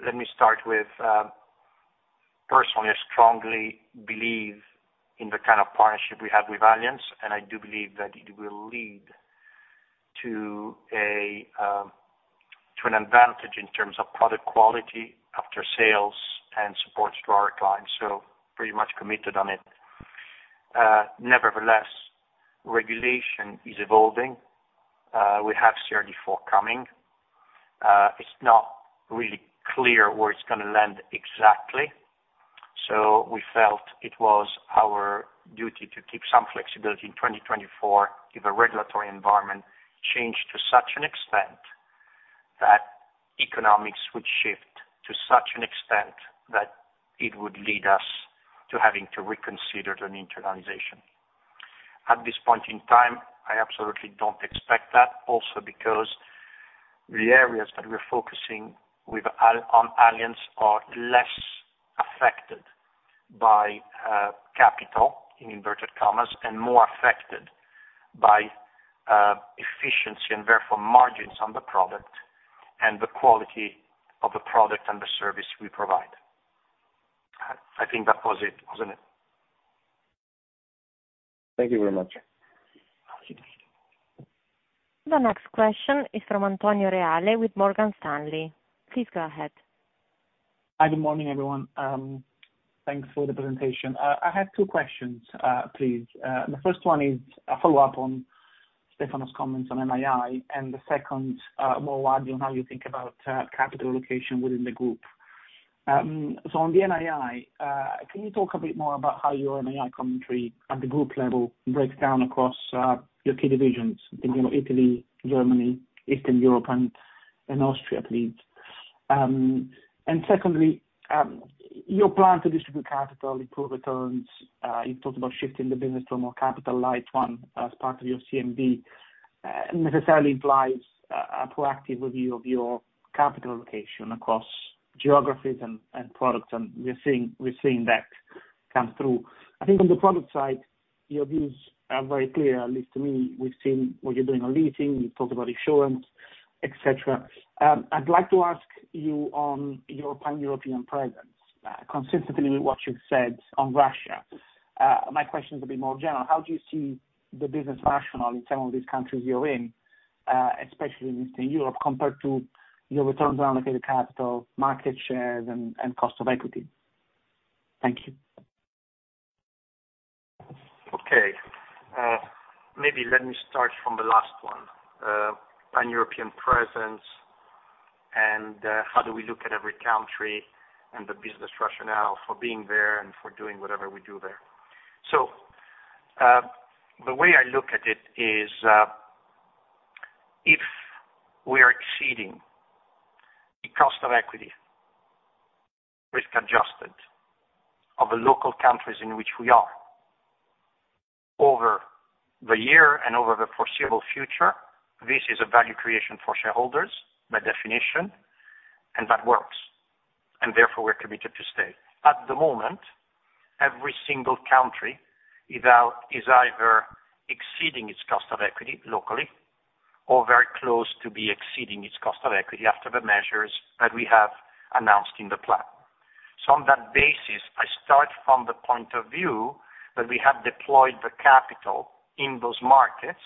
Let me start with, personally, I strongly believe in the kind of partnership we have with Allianz, and I do believe that it will lead to an advantage in terms of product quality after sales and supports to our clients, so pretty much committed to it. Nevertheless, regulation is evolving. We have CRD VI coming. It's not really clear where it's gonna land exactly. We felt it was our duty to keep some flexibility in 2024 if a regulatory environment changed to such an extent that economics would shift, to such an extent that it would lead us to having to reconsider an internalization. At this point in time, I absolutely don't expect that, also because the areas that we're focusing on Allianz are less affected by capital, in inverted commas, and more affected by efficiency and therefore margins on the product and the quality of the product and the service we provide. I think that was it, wasn't it? Thank you very much. The next question is from Antonio Reale with Morgan Stanley. Please go ahead. Hi, good morning, everyone. Thanks for the presentation. I have two questions, please. The first one is a follow-up on Stefano's comments on NII, and the second, more widely on how you think about capital allocation within the group. So on the NII, can you talk a bit more about how your NII commentary at the group level breaks down across your key divisions in, you know, Italy, Germany, Eastern Europe and Austria, please? And secondly, your plan to distribute capital, improve returns, you talked about shifting the business to a more capital light one as part of your CMD, necessarily implies a proactive review of your capital allocation across geographies and products, and we're seeing that come through. I think on the product side, your views are very clear, at least to me. We've seen what you're doing on leasing, we've talked about insurance, et cetera. I'd like to ask you on your pan-European presence, consistently with what you've said on Russia. My question is a bit more general. How do you see the business rationale in some of these countries you're in, especially in Eastern Europe, compared to your returns on allocated capital, market shares and cost of equity? Thank you. Okay. Maybe let me start from the last one. Pan-European presence and how do we look at every country and the business rationale for being there and for doing whatever we do there. The way I look at it is, if we are exceeding the cost of equity, risk-adjusted, of the local countries in which we are over the year and over the foreseeable future, this is a value creation for shareholders by definition, and that works. Therefore, we're committed to stay. At the moment, every single country is either exceeding its cost of equity locally or very close to be exceeding its cost of equity after the measures that we have announced in the plan. On that basis, I start from the point of view that we have deployed the capital in those markets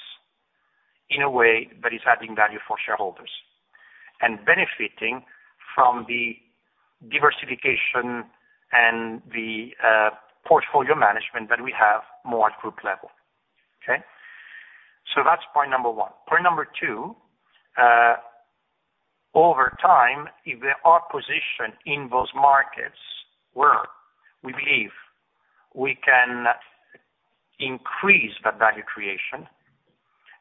in a way that is adding value for shareholders and benefiting from the diversification and the portfolio management that we have more at group level. Okay? That's point number one. Point number two, over time, if our position in those markets where we believe we can increase the value creation,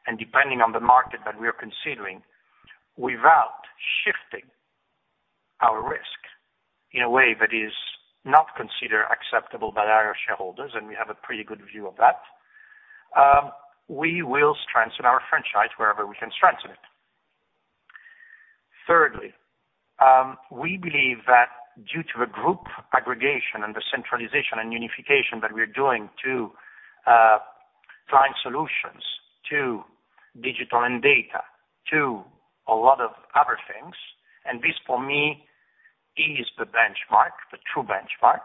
and depending on the market that we're considering, without shifting our risk in a way that is not considered acceptable by our shareholders, and we have a pretty good view of that, we will strengthen our franchise wherever we can strengthen it. Thirdly, we believe that due to the group aggregation and the centralization and unification that we're doing to Client Solutions, to digital and data, to a lot of other things, and this for me is the benchmark, the true benchmark.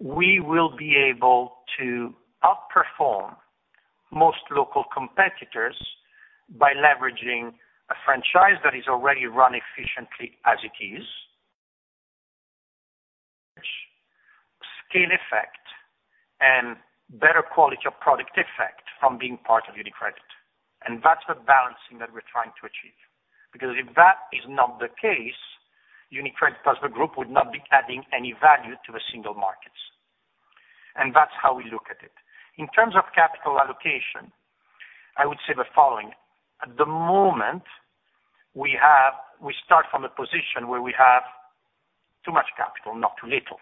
We will be able to outperform most local competitors by leveraging a franchise that is already run efficiently as it is. Scale effect and better quality of product effect from being part of UniCredit. That's the balancing that we're trying to achieve. Because if that is not the case, UniCredit as the group would not be adding any value to the single markets. That's how we look at it. In terms of capital allocation, I would say the following: at the moment, we start from a position where we have too much capital, not too little.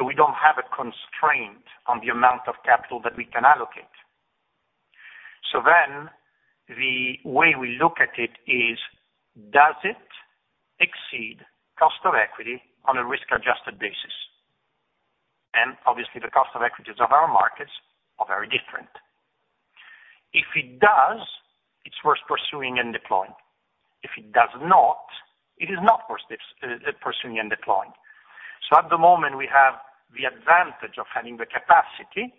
We don't have a constraint on the amount of capital that we can allocate. The way we look at it is, does it exceed cost of equity on a risk-adjusted basis? Obviously, the cost of equities of our markets are very different. If it does, it's worth pursuing and deploying. If it does not, it is not worth pursuing and deploying. At the moment, we have the advantage of having the capacity.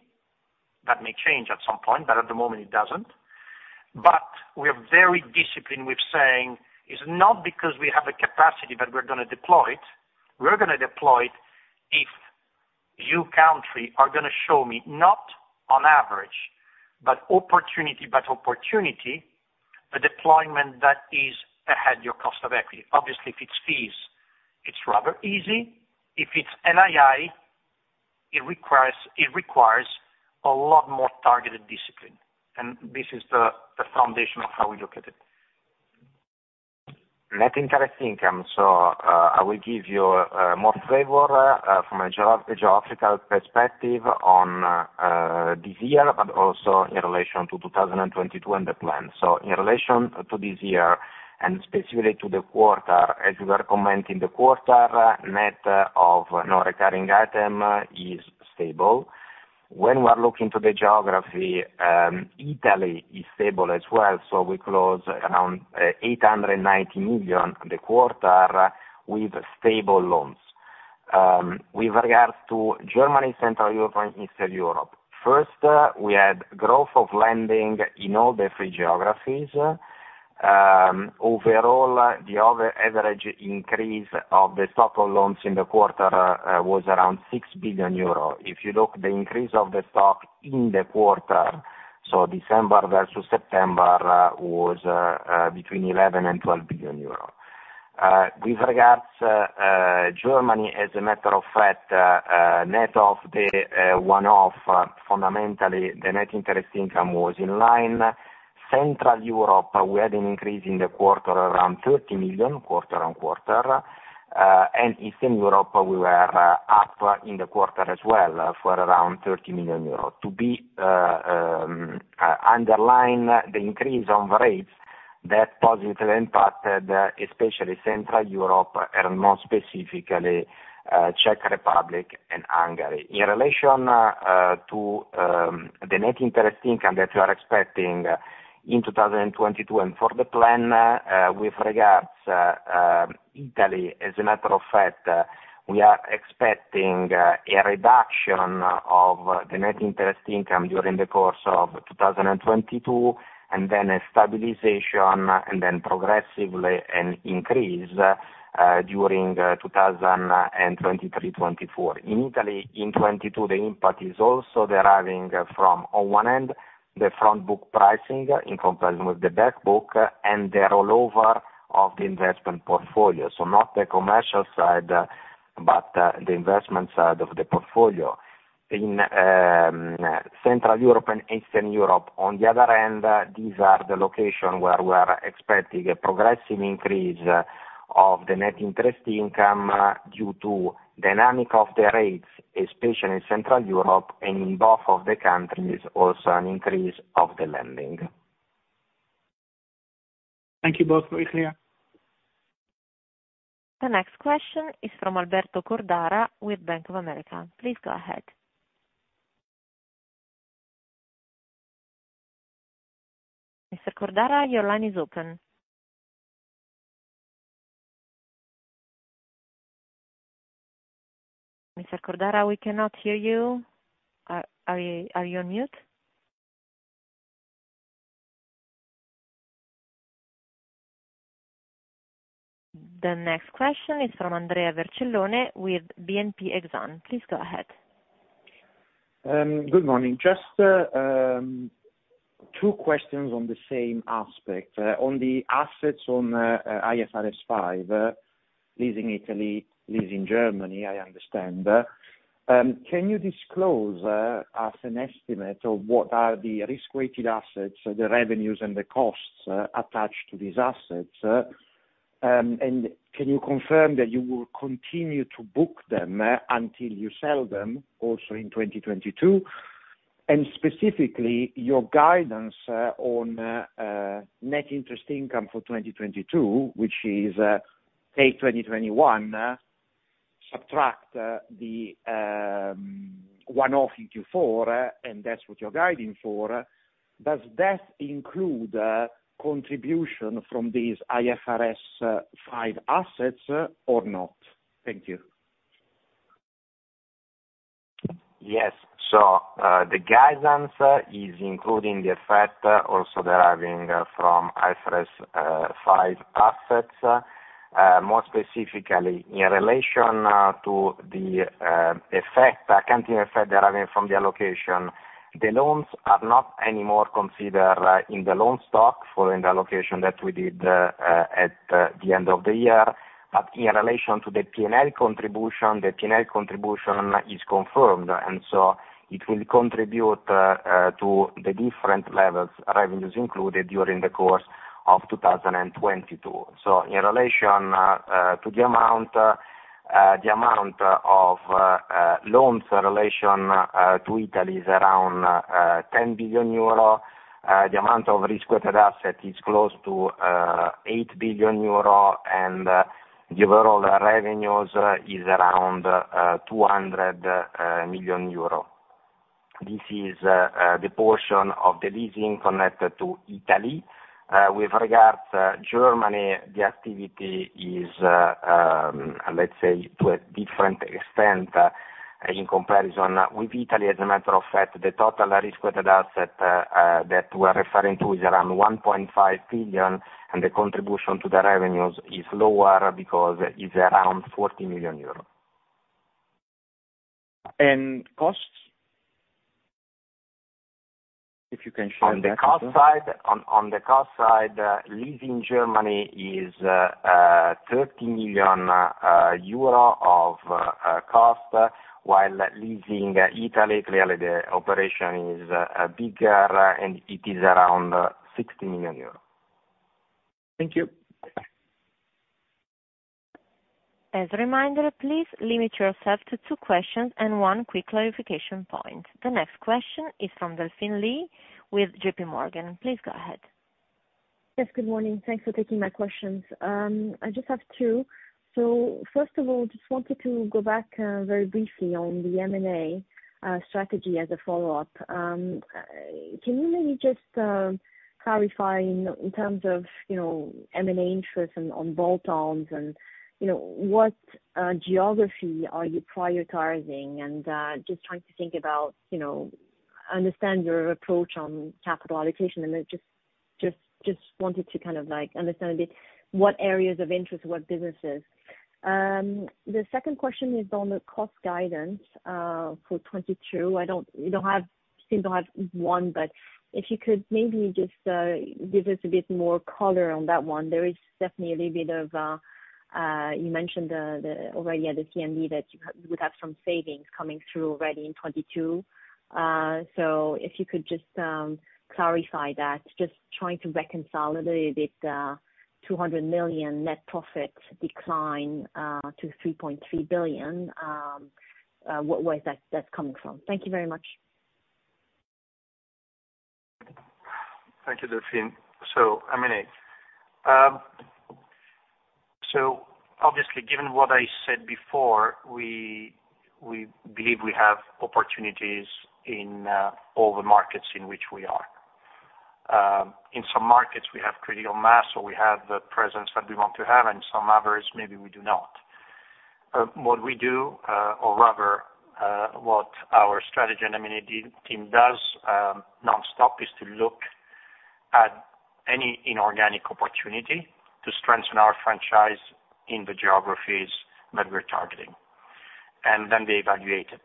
That may change at some point, but at the moment it doesn't. We are very disciplined with saying, it's not because we have the capacity that we're gonna deploy it. We're gonna deploy it if your country is gonna show me, not on average, but opportunity by opportunity, a deployment that is ahead of your cost of equity. Obviously, if it's fees, it's rather easy. If it's NII, it requires a lot more targeted discipline, and this is the foundation of how we look at it. Net interest income. I will give you more flavor from a geographical perspective on this year, but also in relation to 2022 and the plan. In relation to this year, and specifically to the quarter, as you were commenting, the quarter net of non-recurring item is stable. When we are looking to the geography, Italy is stable as well, so we close around 890 million for the quarter with stable loans. With regards to Germany, Central Europe, and Eastern Europe, first, we had growth of lending in all three geographies. Overall, the overall average increase of the stock of loans in the quarter was around 6 billion euro. If you look at the increase of the stock in the quarter, so December versus September, was between 11 billion and 12 billion euros. With regards to Germany, as a matter of fact, net of the one-off, fundamentally, the net interest income was in line. Central Europe, we had an increase in the quarter around 30 million, quarter-over-quarter. Eastern Europe, we were up in the quarter as well for around 30 million euros. Underline the increase in rates that positively impacted especially Central Europe and more specifically, Czech Republic and Hungary. In relation to the net interest income that we are expecting in 2022 and for the plan with regards Italy, as a matter of fact, we are expecting a reduction of the net interest income during the course of 2022, and then a stabilization, and then progressively an increase during 2023, 2024. In Italy, in 2022, the impact is also deriving from, on one end, the front book pricing in comparison with the back book and the rollover of the investment portfolio. Not the commercial side, but the investment side of the portfolio. In Central Europe and Eastern Europe, on the other hand, these are the location where we are expecting a progressive increase of the net interest income due to dynamic of the rates, especially in Central Europe and in both of the countries also an increase of the lending. Thank you both. Very clear. The next question is from Alberto Cordara with Bank of America. Please go ahead. Mr. Cordara, your line is open. Mr. Cordara, we cannot hear you. Are you on mute? The next question is from Andrea Vercellone with BNP Exane. Please go ahead. Good morning. Just two questions on the same aspect. On the assets on IFRS 5, leasing Italy, leasing Germany, I understand. Can you disclose, as an estimate of what are the risk-weighted assets, the revenues and the costs attached to these assets? Can you confirm that you will continue to book them until you sell them also in 2022? Specifically, your guidance on net interest income for 2022, which is take 2021 subtract the one-off in Q4, and that's what you're guiding for, does that include contribution from these IFRS 5 assets or not? Thank you. Yes. The guidance is including the effect also deriving from IFRS 5 assets. More specifically, in relation to the effect, accounting effect deriving from the allocation, the loans are not anymore considered in the loan stock following the allocation that we did at the end of the year. In relation to the P&L contribution, the P&L contribution is confirmed, and it will contribute to the different levels revenues included during the course of 2022. In relation to the amount, the amount of loans related to Italy is around 10 billion euro. The amount of risk-weighted asset is close to 8 billion euro, and the overall revenues is around 200 million euro. This is the portion of the leasing connected to Italy. With regards to Germany, the activity is, let's say, to a different extent, in comparison with Italy. As a matter of fact, the total risk-weighted asset that we're referring to is around 1.5 billion, and the contribution to the revenues is lower because it's around 40 million euros. Costs? If you can share that. On the cost side, leasing Germany is 30 million euro of cost, while leasing Italy, clearly the operation is bigger, and it is around 60 million euros. Thank you. As a reminder, please limit yourself to two questions and one quick clarification point. The next question is from Delphine Lee with JPMorgan. Please go ahead. Yes, good morning. Thanks for taking my questions. I just have two. First of all, just wanted to go back very briefly on the M&A strategy as a follow-up. Can you maybe just clarify in terms of you know M&A interest on bolt-ons and you know what geography are you prioritizing? Just trying to think about you know understand your approach on capital allocation. Then just wanted to kind of like understand a bit what areas of interest, what businesses. The second question is on the cost guidance for 2022. You don't seem to have one, but if you could maybe just give us a bit more color on that one. There is definitely a little bit of you mentioned the already at the CMD that you have would have some savings coming through already in 2022. So if you could just clarify that, just trying to reconcile a bit, 200 million net profit decline to 3.3 billion. Where is that coming from? Thank you very much. Thank you, Delphine. M&A. Obviously, given what I said before, we believe we have opportunities in all the markets in which we are. In some markets we have critical mass or we have the presence that we want to have, and some others maybe we do not. What we do, or rather, what our strategy and M&A team does nonstop is to look at any inorganic opportunity to strengthen our franchise in the geographies that we're targeting. They evaluate it.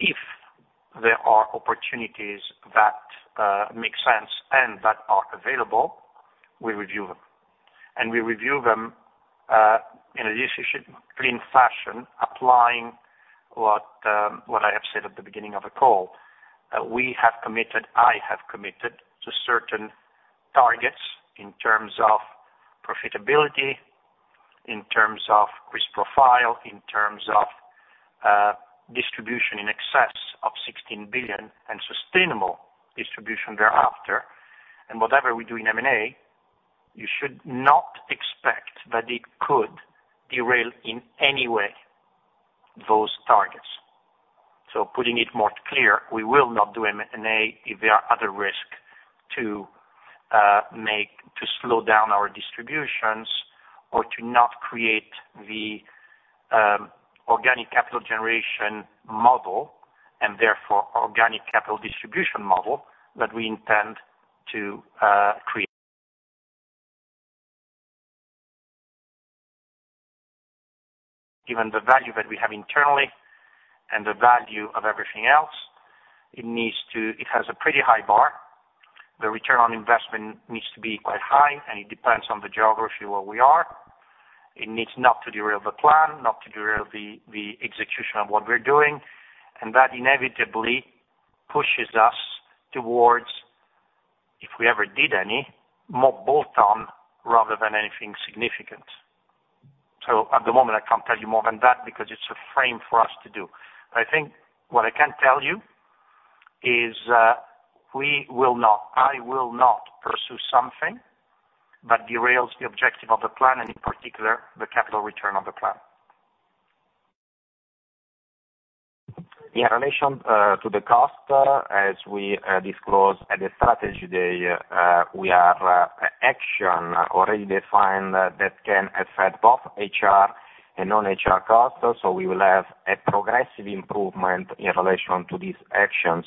If there are opportunities that make sense and that are available, we review them. We review them in a disciplined fashion, applying what I have said at the beginning of the call. We have committed, I have committed to certain targets in terms of profitability, in terms of risk profile, in terms of distribution in excess of 16 billion and sustainable distribution thereafter. Whatever we do in M&A, you should not expect that it could derail in any way those targets. Putting it more clear, we will not do M&A if there are other risk to slow down our distributions or to not create the organic capital generation model, and therefore organic capital distribution model that we intend to create. Given the value that we have internally and the value of everything else, it has a pretty high bar. The return on investment needs to be quite high, and it depends on the geography where we are. It needs not to derail the plan, not to derail the execution of what we're doing. That inevitably pushes us towards, if we ever did any, more bolt-on rather than anything significant. At the moment, I can't tell you more than that because it's a frame for us to do. I think what I can tell you is I will not pursue something that derails the objective of the plan, and in particular, the capital return of the plan. In relation to the cost, as we disclose at the Strategy Day, we have actions already defined that can affect both HR and non-HR costs. We will have a progressive improvement in relation to these actions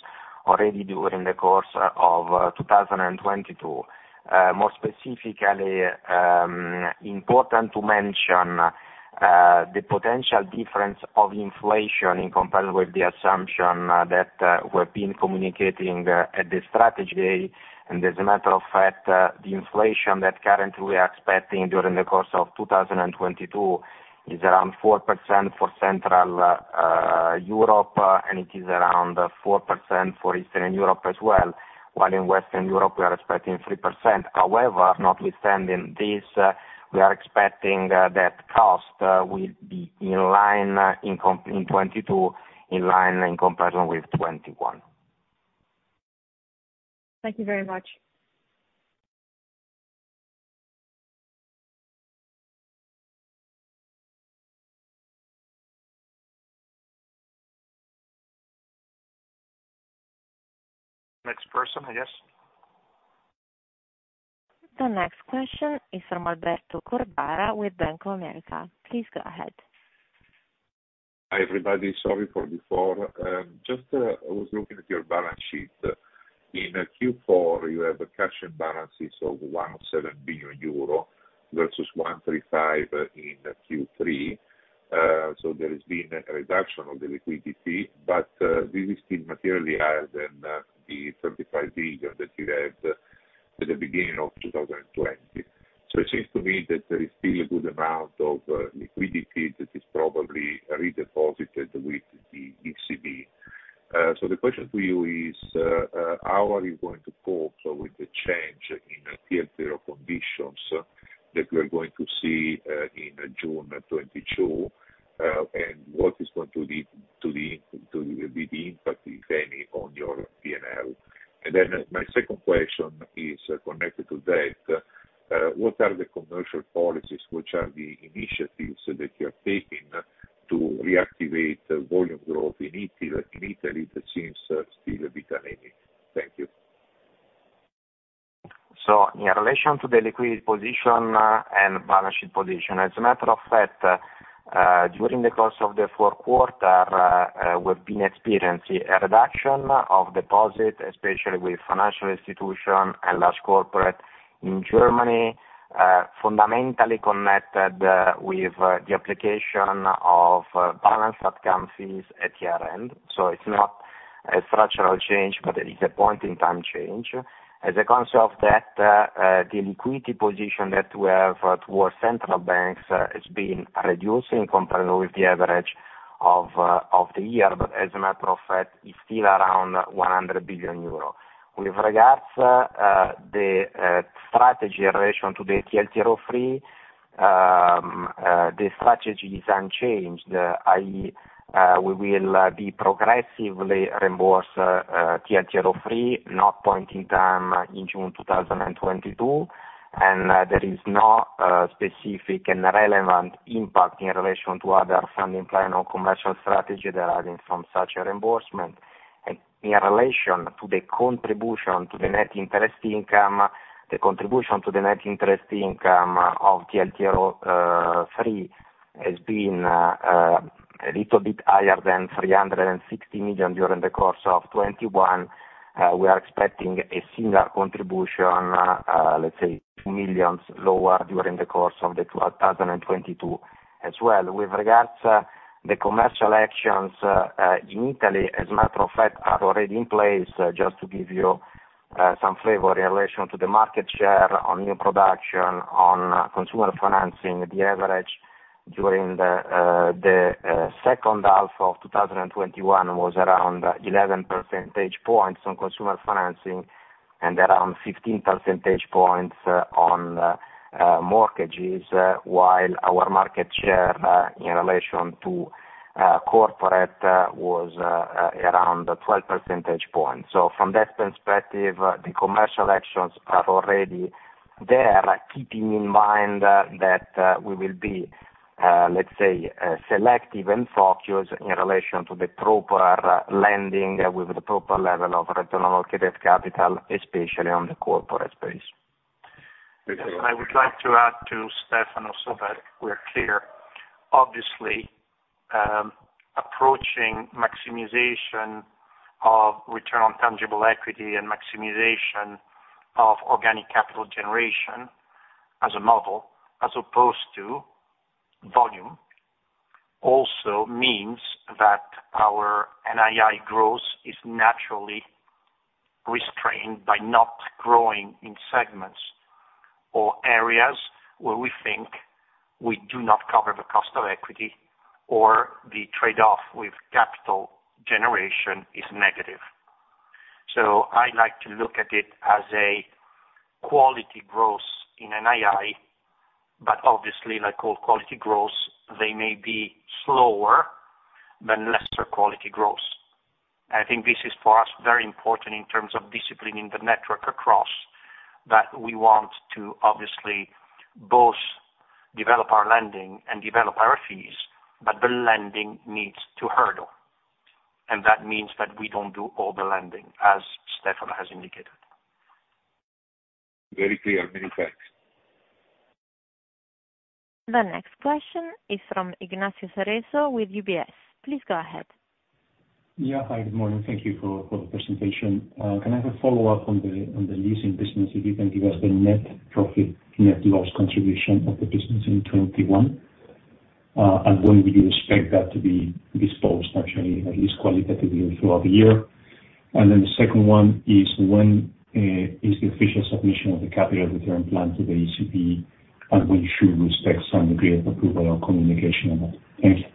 already during the course of 2022. More specifically, important to mention the potential difference of inflation in comparison with the assumption that we've been communicating at the strategy. As a matter of fact, the inflation that currently we are expecting during the course of 2022 is around 4% for central Europe, and it is around 4% for Eastern Europe as well. While in Western Europe, we are expecting 3%. However, notwithstanding this, we are expecting that cost will be in line in 2022, in line in comparison with 2021. Thank you very much. Next person, I guess. The next question is from Alberto Cordara with Bank of America. Please go ahead. Hi, everybody. Sorry for before. I was looking at your balance sheet. In Q4, you have a cash and balances of 17 billion euro versus 135 billion in Q3. There has been a reduction of the liquidity, but this is still materially higher than the 35 billion that you had at the beginning of 2020. It seems to me that there is still a good amount of liquidity that is probably redeposited with the ECB. The question for you is how are you going to cope with the change in TLTRO conditions that we are going to see in June 2022? And what is going to be the impact, if any, on your P&L? And then my second question is connected to that. What are the commercial policies, which are the initiatives that you are taking to reactivate volume growth in Italy that seems still a bit anemic? Thank you. In relation to the liquidity position and balance sheet position, as a matter of fact, during the course of the fourth quarter, we've been experiencing a reduction of deposits, especially with financial institutions and large corporates in Germany, fundamentally connected with the application of balance outcome fees at year-end. It's not a structural change, but it is a point in time change. As a consequence that the liquidity position that we have towards central banks is being reduced in comparison with the average of the year. As a matter of fact, it's still around 100 billion euro. With regards to the strategy in relation to the TLTRO III, the strategy is unchanged. We will progressively reimburse TLTRO III, not point in time in June 2022. There is no specific and relevant impact in relation to other funding plan or commercial strategy deriving from such a reimbursement. In relation to the contribution to the net interest income, the contribution to the net interest income of TLTRO III has been a little bit higher than 360 million during the course of 2021. We are expecting a similar contribution, let's say 2 million lower during the course of 2022 as well. With regard to the commercial actions in Italy, as a matter of fact, are already in place. Just to give you some flavor in relation to the market share on new production, on consumer financing. The average during the second half of 2021 was around 11 percentage points on consumer financing and around 15 percentage points on mortgages, while our market share in relation to corporate was around 12 percentage points. From that perspective, the commercial actions are already there, keeping in mind that we will be, let's say, selective and focused in relation to the proper lending with the proper level of return on allocated capital, especially on the corporate space. I would like to add to Stefano so that we're clear. Obviously, approaching maximization of return on tangible equity and maximization of organic capital generation as a model, as opposed to volume, also means that our NII growth is naturally restrained by not growing in segments or areas where we think we do not cover the cost of equity or the trade-off with capital generation is negative. I like to look at it as a quality growth in NII. Obviously like all quality growth, they may be slower than lesser quality growth. I think this is for us very important in terms of disciplining the network across, that we want to obviously both develop our lending and develop our fees, but the lending needs to hurdle. That means that we don't do all the lending, as Stefano has indicated. Very clear. Many thanks. The next question is from Ignacio Cerezo with UBS. Please go ahead. Yeah. Hi, good morning. Thank you for the presentation. Can I have a follow-up on the leasing business, if you can give us the net profit, net loss contribution of the business in 2021? And when would you expect that to be disposed, actually, at least qualitatively throughout the year? The second one is when is the official submission of the capital return plan to the ECB, and when should we expect some degree of approval or communication on that? Thank you.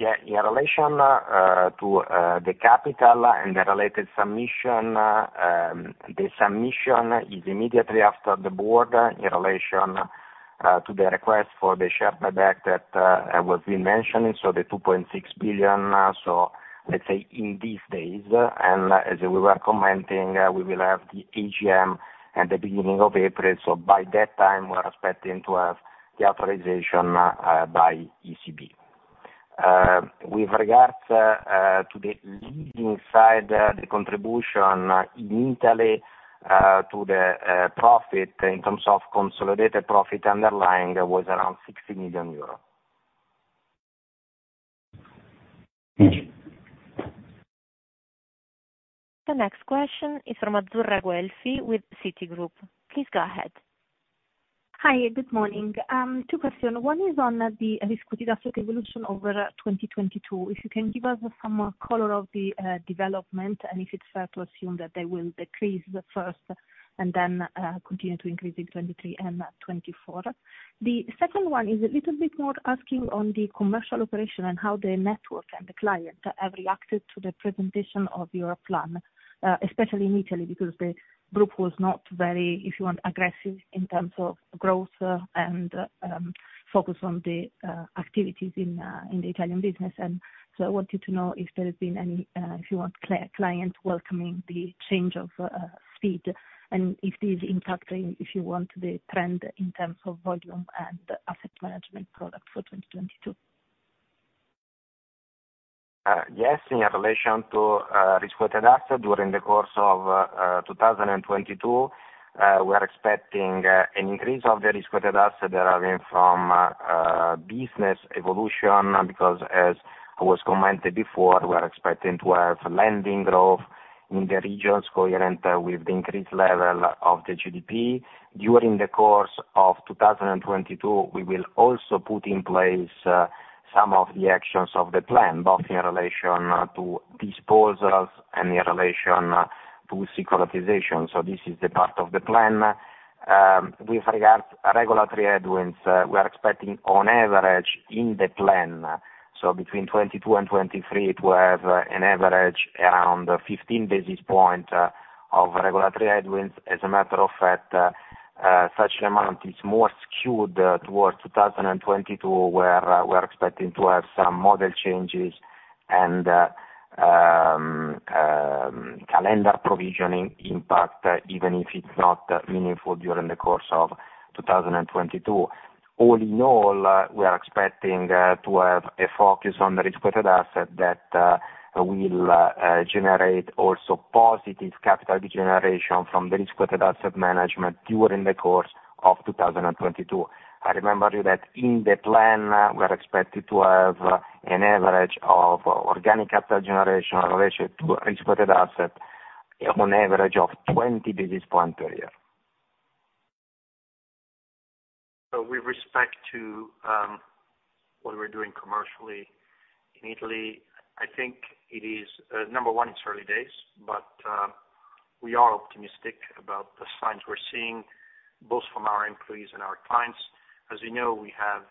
Yeah. In relation to the capital and the related submission, the submission is immediately after the board in relation to the request for the share buyback that has been mentioned, so the 2.6 billion, so let's say in these days. As we were commenting, we will have the AGM at the beginning of April. By that time we're expecting to have the authorization by ECB. With regards to the leasing side, the contribution in Italy to the profit in terms of consolidated profit underlying was around 60 million euros. Thank you. The next question is from Azzurra Guelfi with Citigroup. Please go ahead. Hi, good morning. Two questions. One is on the risk-weighted asset evolution over 2022. If you can give us some more color of the development, and if it's fair to assume that they will decrease first and then continue to increase in 2023 and 2024. The second one is a little bit more asking on the commercial operation and how the network and the clients have reacted to the presentation of your plan, especially in Italy, because the group was not very, if you want, aggressive in terms of growth, and focus on the activities in the Italian business. I wanted to know if there has been any, if you want, client welcoming the change of speed and if this is impacting, if you want, the trend in terms of volume and asset management product for 2022. Yes. In relation to risk-weighted asset during the course of 2022, we are expecting an increase of the risk-weighted asset deriving from business evolution, because as it was commented before, we are expecting to have lending growth in the regions coherent with the increased level of the GDP. During the course of 2022, we will also put in place some of the actions of the plan, both in relation to disposals and in relation to securitization. This is the part of the plan. With regards regulatory headwinds, we are expecting on average in the plan, so between 2022 and 2023, to have an average around 15 basis points of regulatory headwinds. As a matter of fact, such amount is more skewed towards 2022, where we're expecting to have some model changes and calendar provisioning impact, even if it's not meaningful during the course of 2022. All in all, we are expecting to have a focus on the risk-weighted asset that will generate also positive capital generation from the risk-weighted asset management during the course of 2022. I remind you that in the plan, we are expected to have an average of organic capital generation in relation to risk-weighted asset on average of 20 basis points per year. With respect to what we're doing commercially in Italy, I think it is number one, it's early days, but we are optimistic about the signs we're seeing, both from our employees and our clients. As you know, we have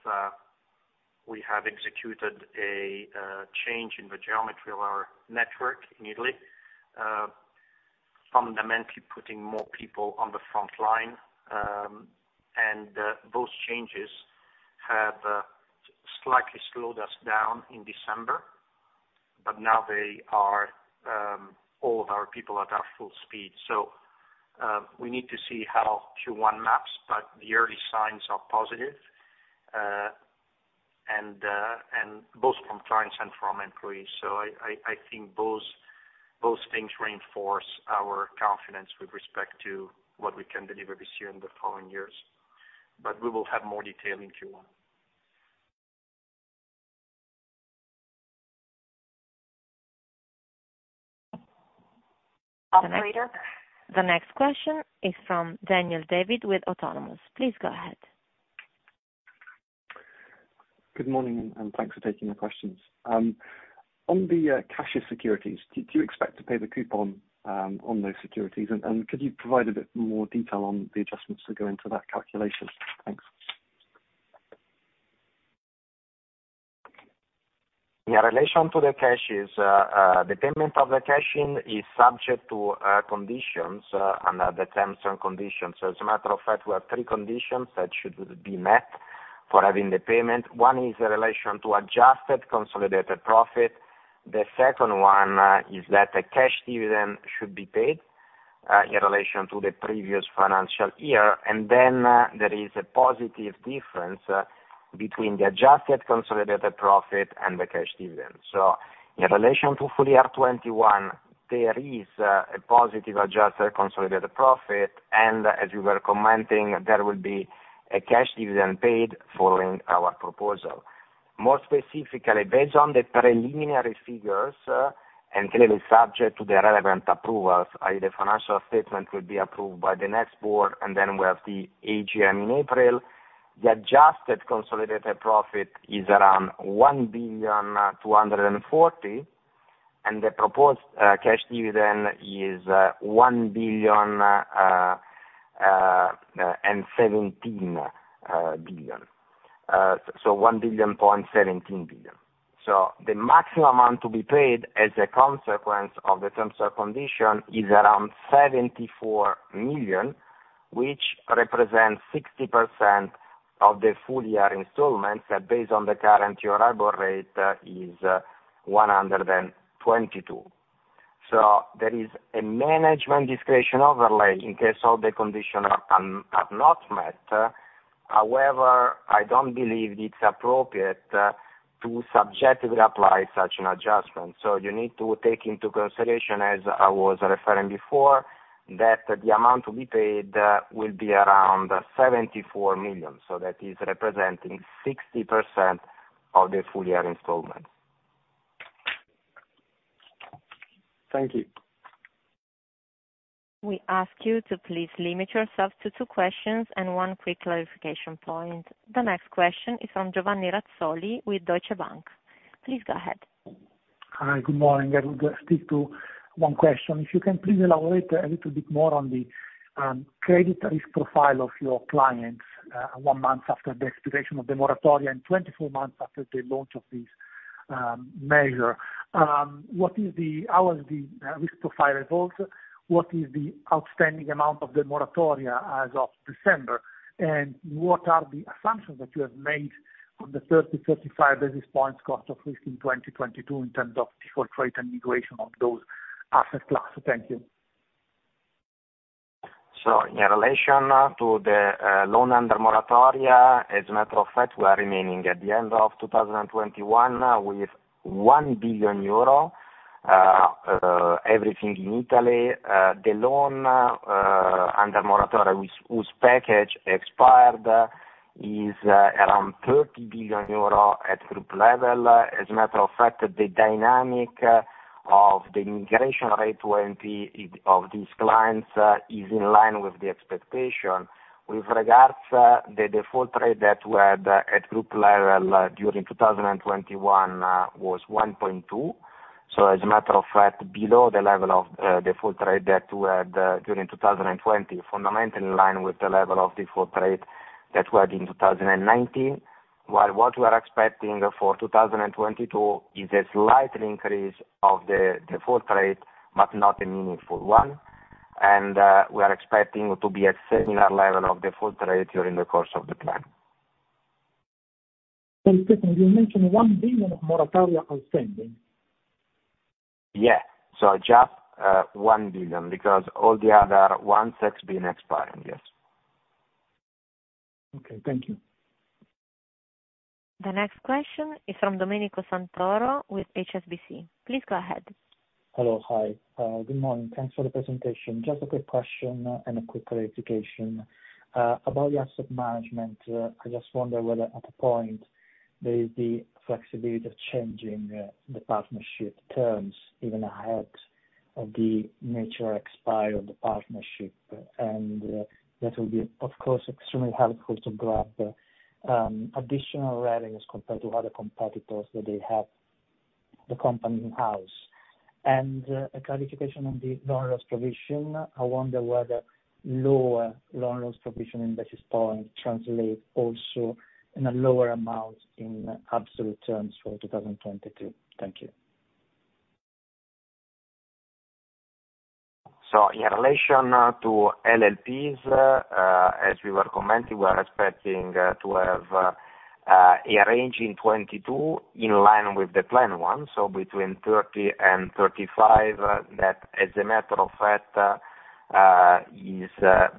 executed a change in the geometry of our network in Italy, fundamentally putting more people on the front line. Those changes have slightly slowed us down in December, but now they are all of our people at full speed. We need to see how Q1 maps, but the early signs are positive, and both from clients and from employees. I think both things reinforce our confidence with respect to what we can deliver this year and the following years. We will have more detail in Q1. Operator? The next question is from Daniel David with Autonomous. Please go ahead. Good morning, and thanks for taking the questions. On the CASHES securities, do you expect to pay the coupon on those securities? Could you provide a bit more detail on the adjustments that go into that calculation? Thanks. In relation to the cash, the payment of the cash is subject to conditions under the terms and conditions. As a matter of fact, we have three conditions that should be met for having the payment. One is the relation to Adjusted Consolidated Profit. The second one is that the cash dividend should be paid in relation to the previous financial year. There is a positive difference between the Adjusted Consolidated Profit and the cash dividend. In relation to full-year 2021, there is a positive Adjusted Consolidated Profit. As you were commenting, there will be a cash dividend paid following our proposal. More specifically, based on the preliminary figures and clearly subject to the relevant approvals, i.e., the financial statement will be approved by the next board, and then we have the AGM in April. The Adjusted Consolidated Profit is around 1.24 billion, and the proposed cash dividend is 1.17 billion. The maximum amount to be paid as a consequence of the terms and condition is around 74 million, which represents 60% of the full year installments that based on the current year annual rate is 122. There is a management discretion overlay in case all the conditions are not met. However, I don't believe it's appropriate to subjectively apply such an adjustment. You need to take into consideration, as I was referring before, that the amount to be paid will be around 74 million. That is representing 60% of the full year installments. Thank you. We ask you to please limit yourself to two questions and one quick clarification point. The next question is from Giovanni Razzoli with Deutsche Bank. Please go ahead. Hi, good morning. I would stick to one question. If you can please elaborate a little bit more on the credit risk profile of your clients one month after the expiration of the moratoria and 24 months after the launch of this measure. What is the risk profile results? What is the outstanding amount of the moratoria as of December? And what are the assumptions that you have made on the 30-35 basis points cost of risk in 2022 in terms of default rate and migration of those asset class? Thank you. In relation to the loan under moratoria, as a matter of fact, we are remaining at the end of 2021 with 1 billion euro. Everything in Italy, the loan under moratoria whose package expired is around 30 billion euro at group level. As a matter of fact, the dynamic of the integration rate of these clients is in line with the expectation. With regards to the default rate that we had at group level during 2021 was 1.2%. As a matter of fact, below the level of default rate that we had during 2020, fundamentally in line with the level of default rate that we had in 2019. While what we are expecting for 2022 is a slight increase of the default rate, but not a meaningful one. We are expecting to be at similar level of default rate during the course of the plan. Stefano, you mentioned 1 billion of moratoria outstanding. Yeah. Just 1 billion because all the other ones have been expired, yes. Okay, thank you. The next question is from Domenico Santoro with HSBC. Please go ahead. Hello. Hi. Good morning. Thanks for the presentation. Just a quick question and a quick clarification. About the asset management, I just wonder whether at a point there is the flexibility of changing the partnership terms even ahead of the natural expiry of the partnership. That will be, of course, extremely helpful to grab additional revenues compared to other competitors that they have the company in-house. A clarification on the non-risk provision. I wonder whether lower non-risk provision in basis points translate also in a lower amount in absolute terms for 2022. Thank you. In relation to LLPs, as we were commenting, we are expecting to have a range in 2022 in line with the planned one, so between 30 and 35. That, as a matter of fact, is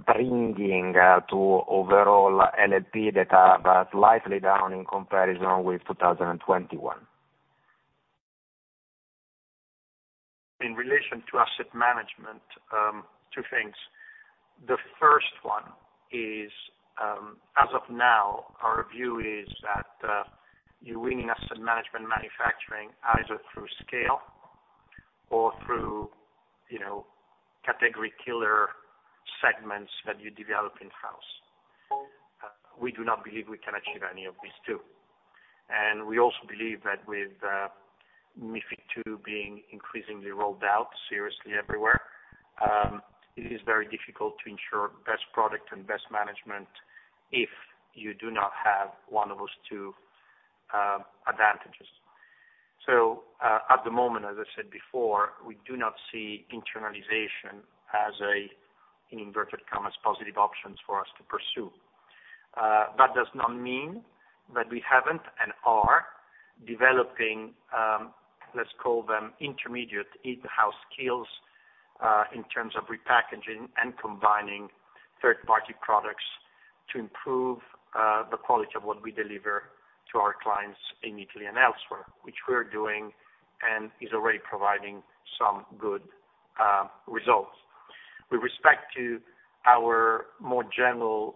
bringing to overall LLP data, but slightly down in comparison with 2021. In relation to asset management, two things. The first one is, as of now, our view is that, you're winning asset management manufacturing either through scale or through, you know, category killer segments that you develop in-house. We do not believe we can achieve any of these two. We also believe that with MiFID II being increasingly rolled out seriously everywhere. It is very difficult to ensure best product and best management if you do not have one of those two advantages. At the moment, as I said before, we do not see internalization as a, in inverted commas, positive options for us to pursue. That does not mean that we haven't and are developing, let's call them intermediate in-house skills, in terms of repackaging and combining third-party products to improve the quality of what we deliver to our clients in Italy and elsewhere, which we're doing and is already providing some good results. With respect to our more general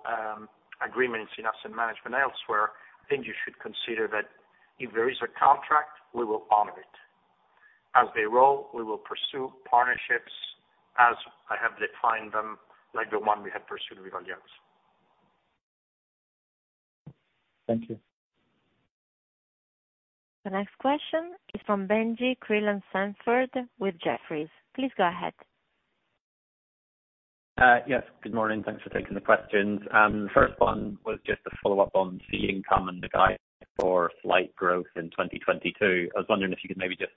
agreements in asset management elsewhere, I think you should consider that if there is a contract, we will honor it. As they roll, we will pursue partnerships as I have defined them, like the one we have pursued with Allianz. Thank you. The next question is from Benjie Creelan-Sandford with Jefferies. Please go ahead. Yes, good morning. Thanks for taking the questions. First one was just a follow-up on fee income and the guide for slight growth in 2022. I was wondering if you could maybe just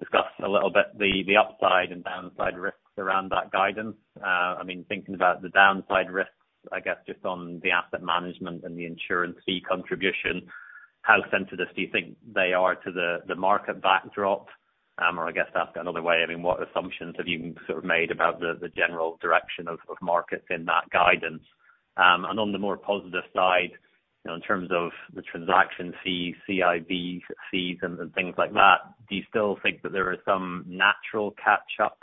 discuss a little bit the upside and downside risks around that guidance. I mean, thinking about the downside risks, I guess, just on the asset management and the insurance fee contribution, how sensitive do you think they are to the market backdrop? Or I guess asked another way, I mean, what assumptions have you sort of made about the general direction of markets in that guidance? On the more positive side, you know, in terms of the transaction fees, CIV fees and things like that, do you still think that there is some natural catch-up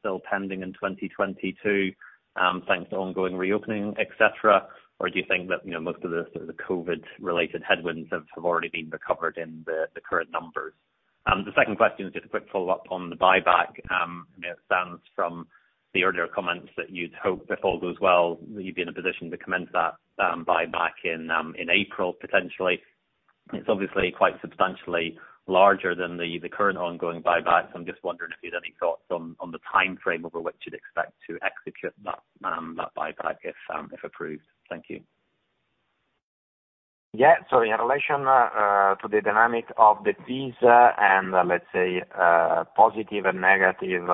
still pending in 2022, thanks to ongoing reopening, et cetera, or do you think that, you know, most of the sort of the COVID related headwinds have already been recovered in the current numbers? The second question is just a quick follow-up on the buyback. I mean, it stands from the earlier comments that you'd hope, if all goes well, you'd be in a position to commence that buyback in April, potentially. It's obviously quite substantially larger than the current ongoing buyback. I'm just wondering if you had any thoughts on the timeframe over which you'd expect to execute that buyback if approved. Thank you. Yeah. In relation to the dynamic of the fees and let's say positive and negative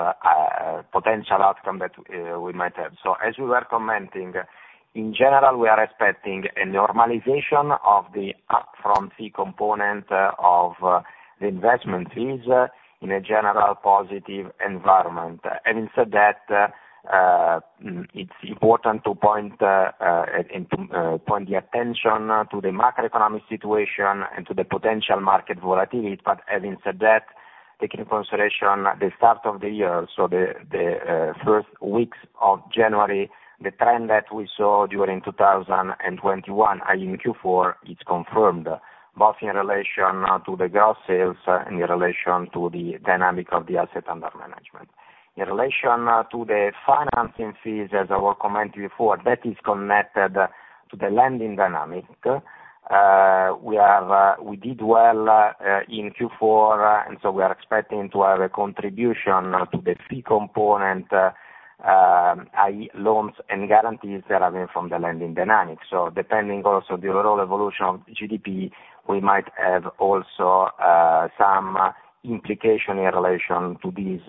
potential outcome that we might have. As we were commenting, in general, we are expecting a normalization of the upfront fee component of the investment fees in a general positive environment. Having said that, it's important to point the attention to the macroeconomic situation and to the potential market volatility. Having said that, taking into consideration the start of the year, the first weeks of January, the trend that we saw during 2021, i.e. Q4, it's confirmed, both in relation to the gross sales, in relation to the dynamic of the assets under management. In relation to the financing fees, as I commented before, that is connected to the lending dynamic. We did well in Q4, and so we are expecting to have a contribution to the fee component, i.e. loans and guarantees that are coming from the lending dynamic. Depending also the overall evolution of GDP, we might have also some implication in relation to these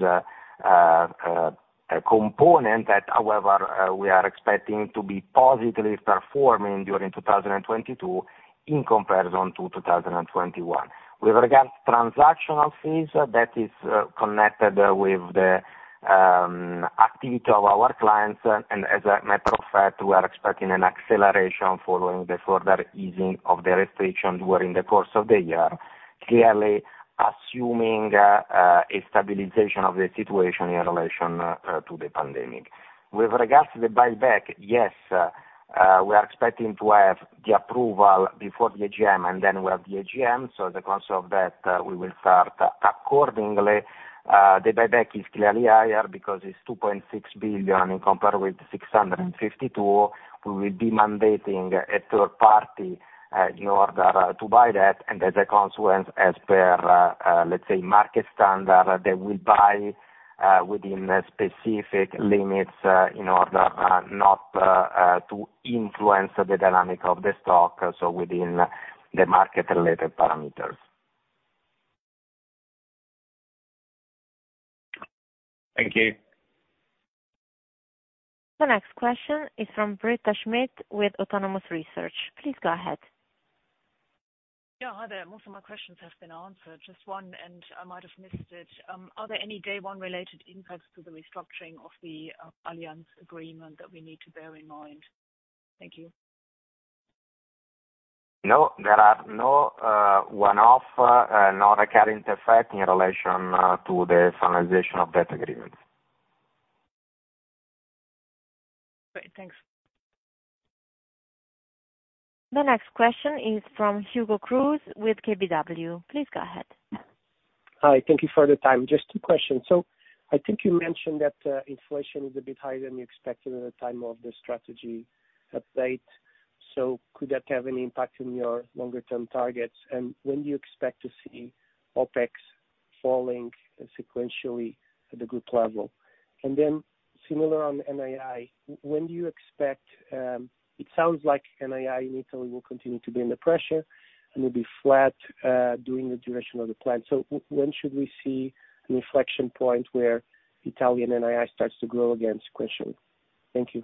component that however we are expecting to be positively performing during 2022 in comparison to 2021. With regards to transactional fees, that is, connected with the activity of our clients. As a matter of fact, we are expecting an acceleration following the further easing of the restrictions during the course of the year, clearly assuming a stabilization of the situation in relation to the pandemic. With regards to the buyback, yes, we are expecting to have the approval before the AGM, and then we have the AGM. As a consequence of that, we will start accordingly. The buyback is clearly higher because it's 2.6 billion as compared with 652 million. We will be mandating a third party in order to buy that. As a consequence, as per, let's say, market standard, they will buy within specific limits in order not to influence the dynamic of the stock, so within the market-related parameters. Thank you. The next question is from Britta Schmidt with Autonomous Research. Please go ahead. Yeah, hi there. Most of my questions have been answered. Just one, and I might have missed it. Are there any day one related impacts to the restructuring of the Allianz agreement that we need to bear in mind? Thank you. No, there are no one-off, non-recurrent effect in relation to the finalization of that agreement. Great. Thanks. The next question is from Hugo Cruz with KBW. Please go ahead. Hi. Thank you for the time. Just two questions. I think you mentioned that inflation is a bit higher than you expected at the time of the strategy update. Could that have any impact on your longer term targets? When do you expect to see OpEx falling sequentially at the group level? Then similar on NII, when do you expect it sounds like NII in Italy will continue to be under pressure and will be flat during the duration of the plan. When should we see an inflection point where Italian NII starts to grow again sequentially? Thank you.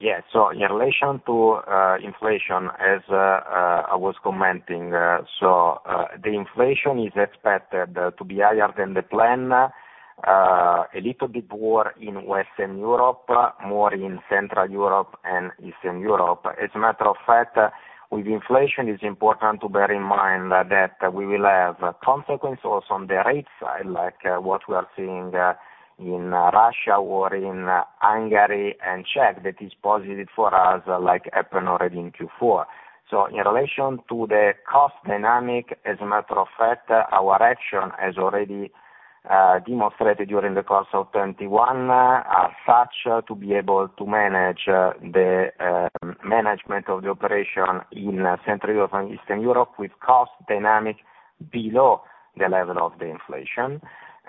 Yeah. In relation to inflation, as I was commenting, the inflation is expected to be higher than the plan, a little bit more in Western Europe, more in Central Europe and Eastern Europe. As a matter of fact, with inflation it is important to bear in mind that we will have consequences also on the rate side, like what we are seeing in Russia or in Hungary and Czech, that is positive for us, like happened already in Q4. In relation to the cost dynamic, as a matter of fact, our action has already demonstrated during the course of 2021, as such to be able to manage the management of the operation in Central Europe and Eastern Europe with cost dynamic below the level of the inflation.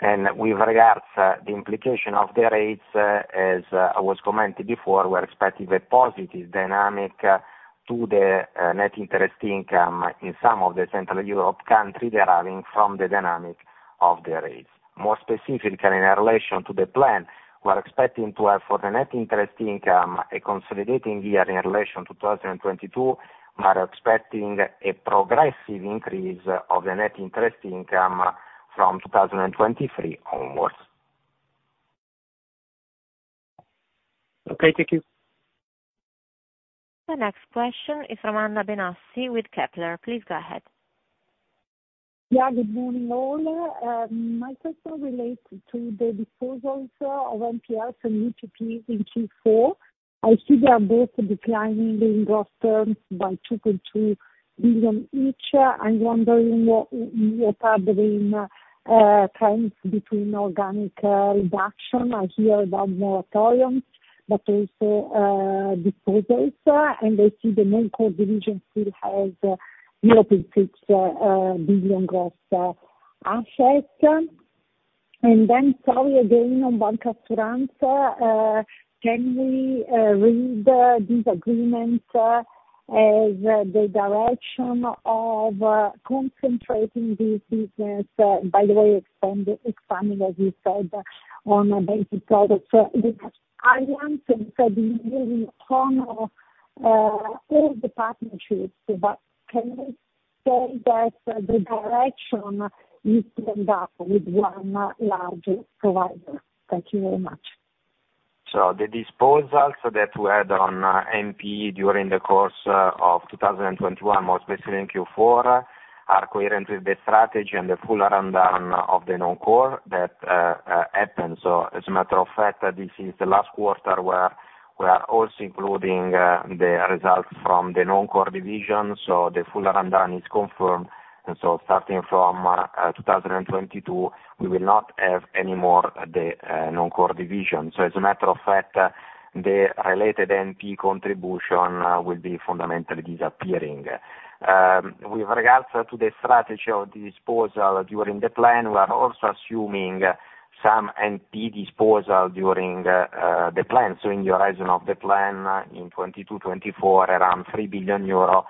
With regards the implication of the rates, as I was commenting before, we're expecting a positive dynamic to the net interest income in some of the Central Europe country deriving from the dynamic of the rates. More specifically, in relation to the plan, we're expecting to have for the net interest income a consolidating year in relation to 2022. We are expecting a progressive increase of the net interest income from 2023 onwards. Okay, thank you. The next question is from Anna Benassi with Kepler. Please go ahead. Yeah, good morning, all. My question relates to the disposals of NPLs and UTPs in Q4. I see they are both declining in gross terms by 2.2 billion each. I'm wondering what are the trends between organic reduction. I hear about moratorium, but also disposals. I see the main core division still has 0.6 billion gross assets. Sorry, again, on bancassurance, can we read these agreements as the direction of concentrating this business, by the way, expanding, as you said, on a basic product. I understand that you will honor all the partnerships, but can you say that the direction is to end up with one large provider? Thank you very much. The disposals that we had on NPE during the course of 2021, more specifically in Q4, are coherent with the strategy and the full rundown of the Non-Core that happened. As a matter of fact, this is the last quarter where we are also including the results from the Non-Core division. The full rundown is confirmed. Starting from 2022, we will not have any more the Non-Core division. As a matter of fact, the related NP contribution will be fundamentally disappearing. With regards to the strategy of the disposal, during the plan, we are also assuming some NP disposal during the plan. In the horizon of the plan in 2022-2024, around 3 billion euro,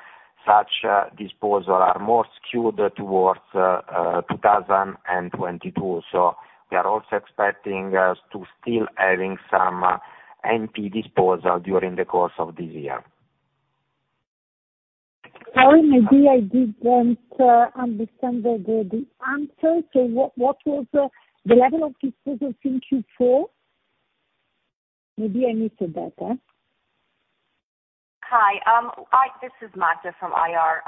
such disposal are more skewed towards 2022. We are also expecting to still have some NPL disposal during the course of this year. Sorry, maybe I didn't understand the answer. What was the level of disposals in Q4? Maybe I missed that. Hi. This is Magda from IR.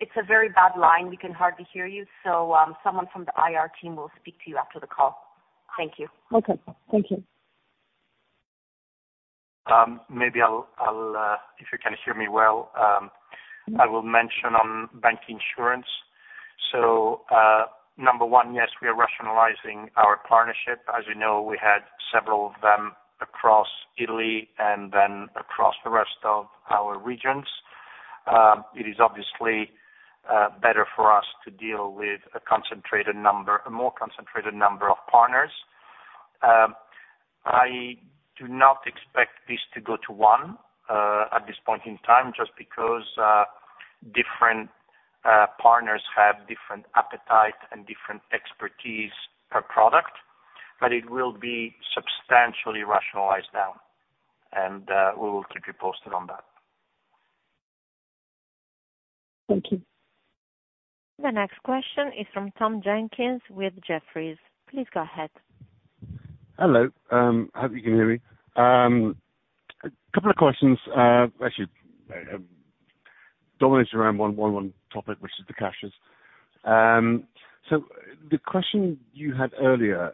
It's a very bad line. We can hardly hear you. Someone from the IR team will speak to you after the call. Thank you. Okay. Thank you. Maybe I'll if you can hear me well, I will mention on bancassurance. Number one, yes, we are rationalizing our partnership. As you know, we had several of them across Italy and then across the rest of our regions. It is obviously better for us to deal with a more concentrated number of partners. I do not expect this to go to one at this point in time, just because different partners have different appetite and different expertise per product. It will be substantially rationalized down, and we will keep you posted on that. Thank you. The next question is from Tom Jenkins with Jefferies. Please go ahead. Hello. Hope you can hear me. A couple of questions. Actually, centered around one topic, which is the CASHES. The question you had earlier,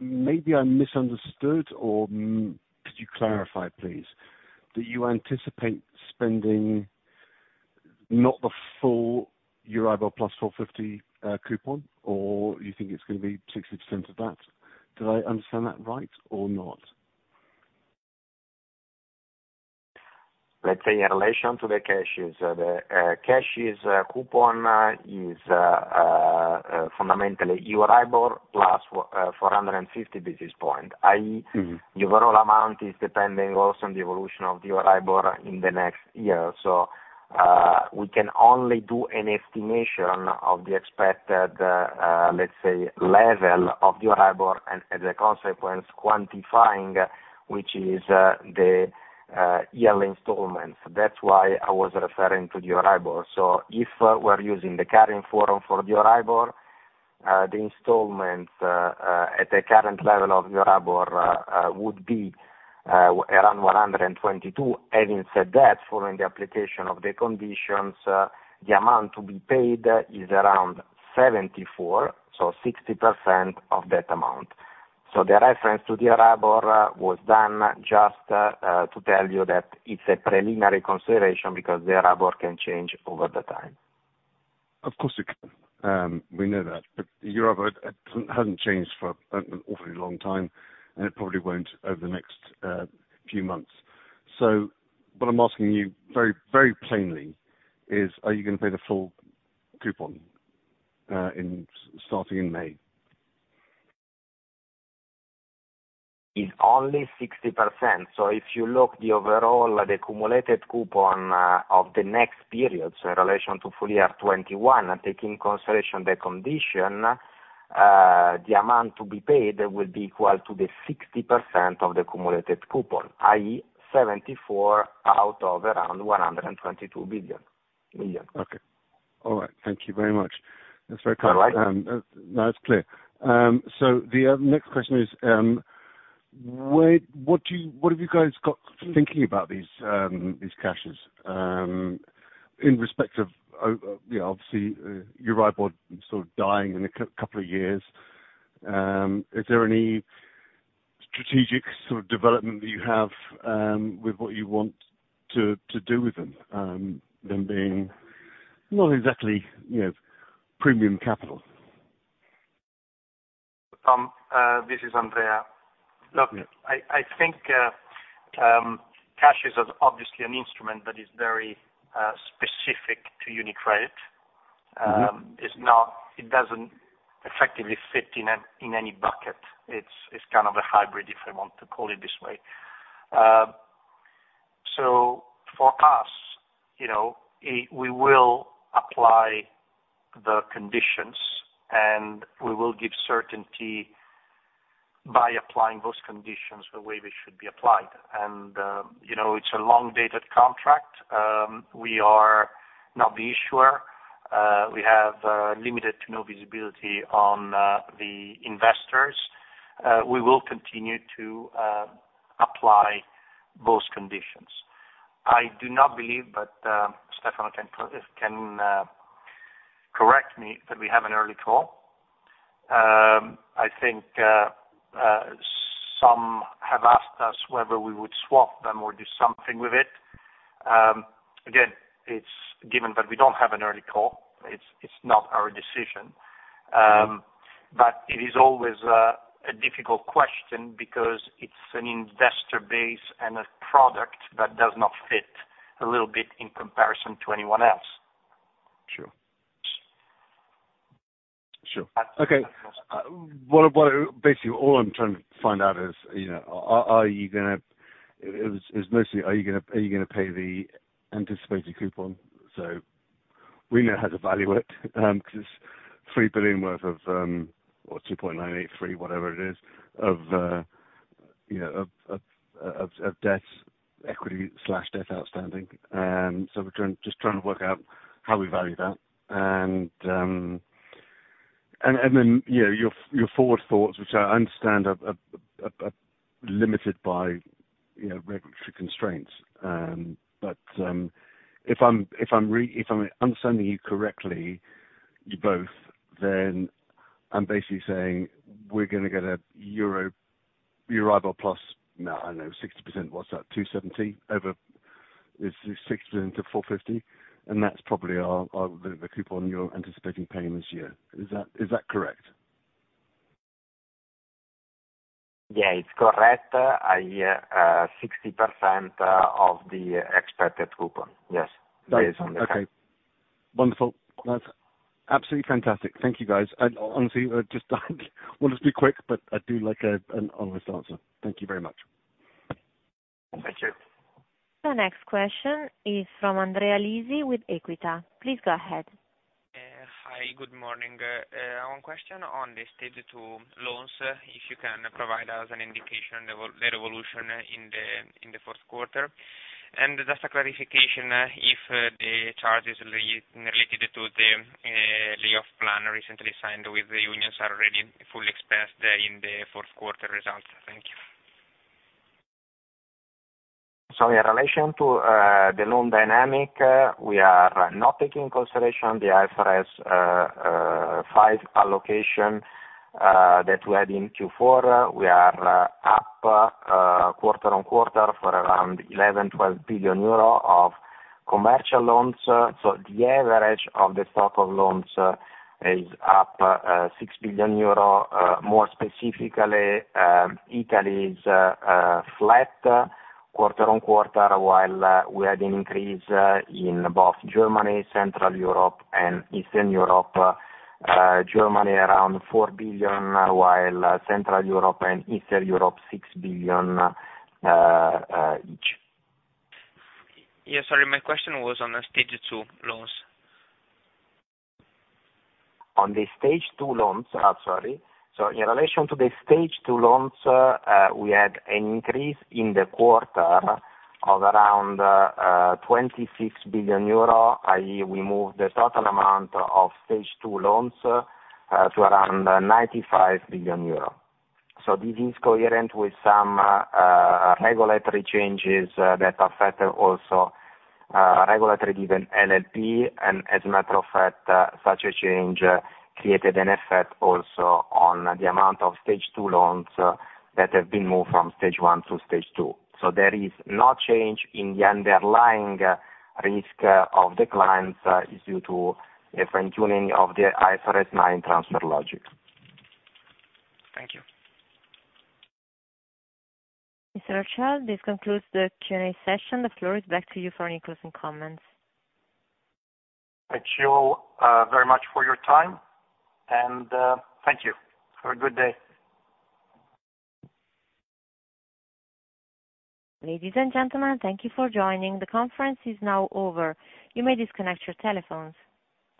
maybe I misunderstood or could you clarify please, that you anticipate spending not the full 450 coupon, or you think it's gonna be 60% of that? Did I understand that right or not? Let's say in relation to the CASHES. The CASHES coupon is fundamentally EUR plus 450 basis points, i.e., the overall amount is dependent also on the evolution of Euribor in the next year. We can only do an estimation of the expected, let's say, level of Euribor and as a consequence quantifying which is the yield installments. That's why I was referring to the euro. If we're using the current forward for euro, the installments at the current level of Euribor would be around 122 million. Having said that, following the application of the conditions, the amount to be paid is around 74 million, so 60% of that amount. The reference to the euro was done just to tell you that it's a preliminary consideration because the euro can change over time. Of course, it can. We know that. Euribor hasn't changed for an awfully long time, and it probably won't over the next few months. What I'm asking you very, very plainly is, are you gonna pay the full coupon in, starting in May? s only 60%. If you look at the overall, the accumulated coupon of the next period, in relation to full-year 2021, and taking into consideration the condition, the amount to be paid will be equal to the 60% of the accumulated coupon, i.e., 74 million out of around 122 million. Okay. All right. Thank you very much. That's very clear. All right. Now it's clear. The next question is, what have you guys got thinking about these CASHES in respect of, yeah, obviously, Euribor sort of dying in a couple of years. Is there any strategic sort of development that you have with what you want to do with them being not exactly, you know, premium capital? Tom, this is Andrea. Look, I think cash is obviously an instrument that is very specific to UniCredit. It doesn't effectively fit in any bucket. It's kind of a hybrid, if I want to call it this way. So for us, you know, we will apply the conditions, and we will give certainty by applying those conditions the way they should be applied. You know, it's a long-dated contract. We are not the issuer. We have limited to no visibility on the investors. We will continue to apply those conditions. I do not believe, but Stefano can correct me, that we have an early call. I think some have asked us whether we would swap them or do something with it. Again, it's given that we don't have an early call, it's not our decision. It is always a difficult question because it's an investor base and a product that does not fit a little bit in comparison to anyone else. Sure. Okay. What basically all I'm trying to find out is are you gonna pay the anticipated coupon? We know how to value it 'cause it's 3 billion worth of or 2.983 billion, whatever it is, of debt equity/debt outstanding. We're trying to work out how we value that. Your forward thoughts, which I understand are limited by regulatory constraints. If I'm understanding you correctly, you both then I'm basically saying we're gonna get a Euro plus, no, I know 60%, what's that? 270 over. It's 6 billion to 450, and that's probably the coupon you're anticipating paying this year. Is that correct? Yeah, it's correct. 60% of the expected coupon. Yes. Got it. Okay. Wonderful. That's absolutely fantastic. Thank you, guys. I honestly just want to be quick, but I do like an honest answer. Thank you very much. Thank you. The next question is from Andrea Lisi with Equita. Please go ahead. Hi. Good morning. One question on the stage two loans, if you can provide us an indication of the resolution in the fourth quarter. Just a clarification, if the charges related to the layoff plan recently signed with the unions are already fully expressed in the fourth quarter results. Thank you. In relation to the loan dynamic, we are not taking into consideration the IFRS 5 allocation that we had in Q4. We are up quarter-on-quarter for around 11-12 billion euro of commercial loans. The average of the stock of loans is up 6 billion euro. More specifically, Italy is flat quarter-on-quarter, while we had an increase in both Germany, Central Europe and Eastern Europe. Germany around 4 billion, while Central Europe and Eastern Europe, 6 billion each. Sorry, my question was on the stage two loans. Sorry. In relation to the stage two loans, we had an increase in the quarter of around 26 billion euro, i.e. We moved the total amount of stage 2 loans to around 95 billion euro. This is coherent with some regulatory changes that affect also regulatory-driven NPL. As a matter of fact, such a change created an effect also on the amount of stage 2 loans that have been moved from stage 1 to stage 2. There is no change in the underlying risk of the clients. This is due to a fine-tuning of the IFRS 9 transfer logic. Thank you. Mr. Orcel, this concludes the Q&A session. The floor is back to you for any closing comments. Thank you, very much for your time and, thank you. Have a good day. Ladies and gentlemen, thank you for joining. The conference is now over. You may disconnect your telephones.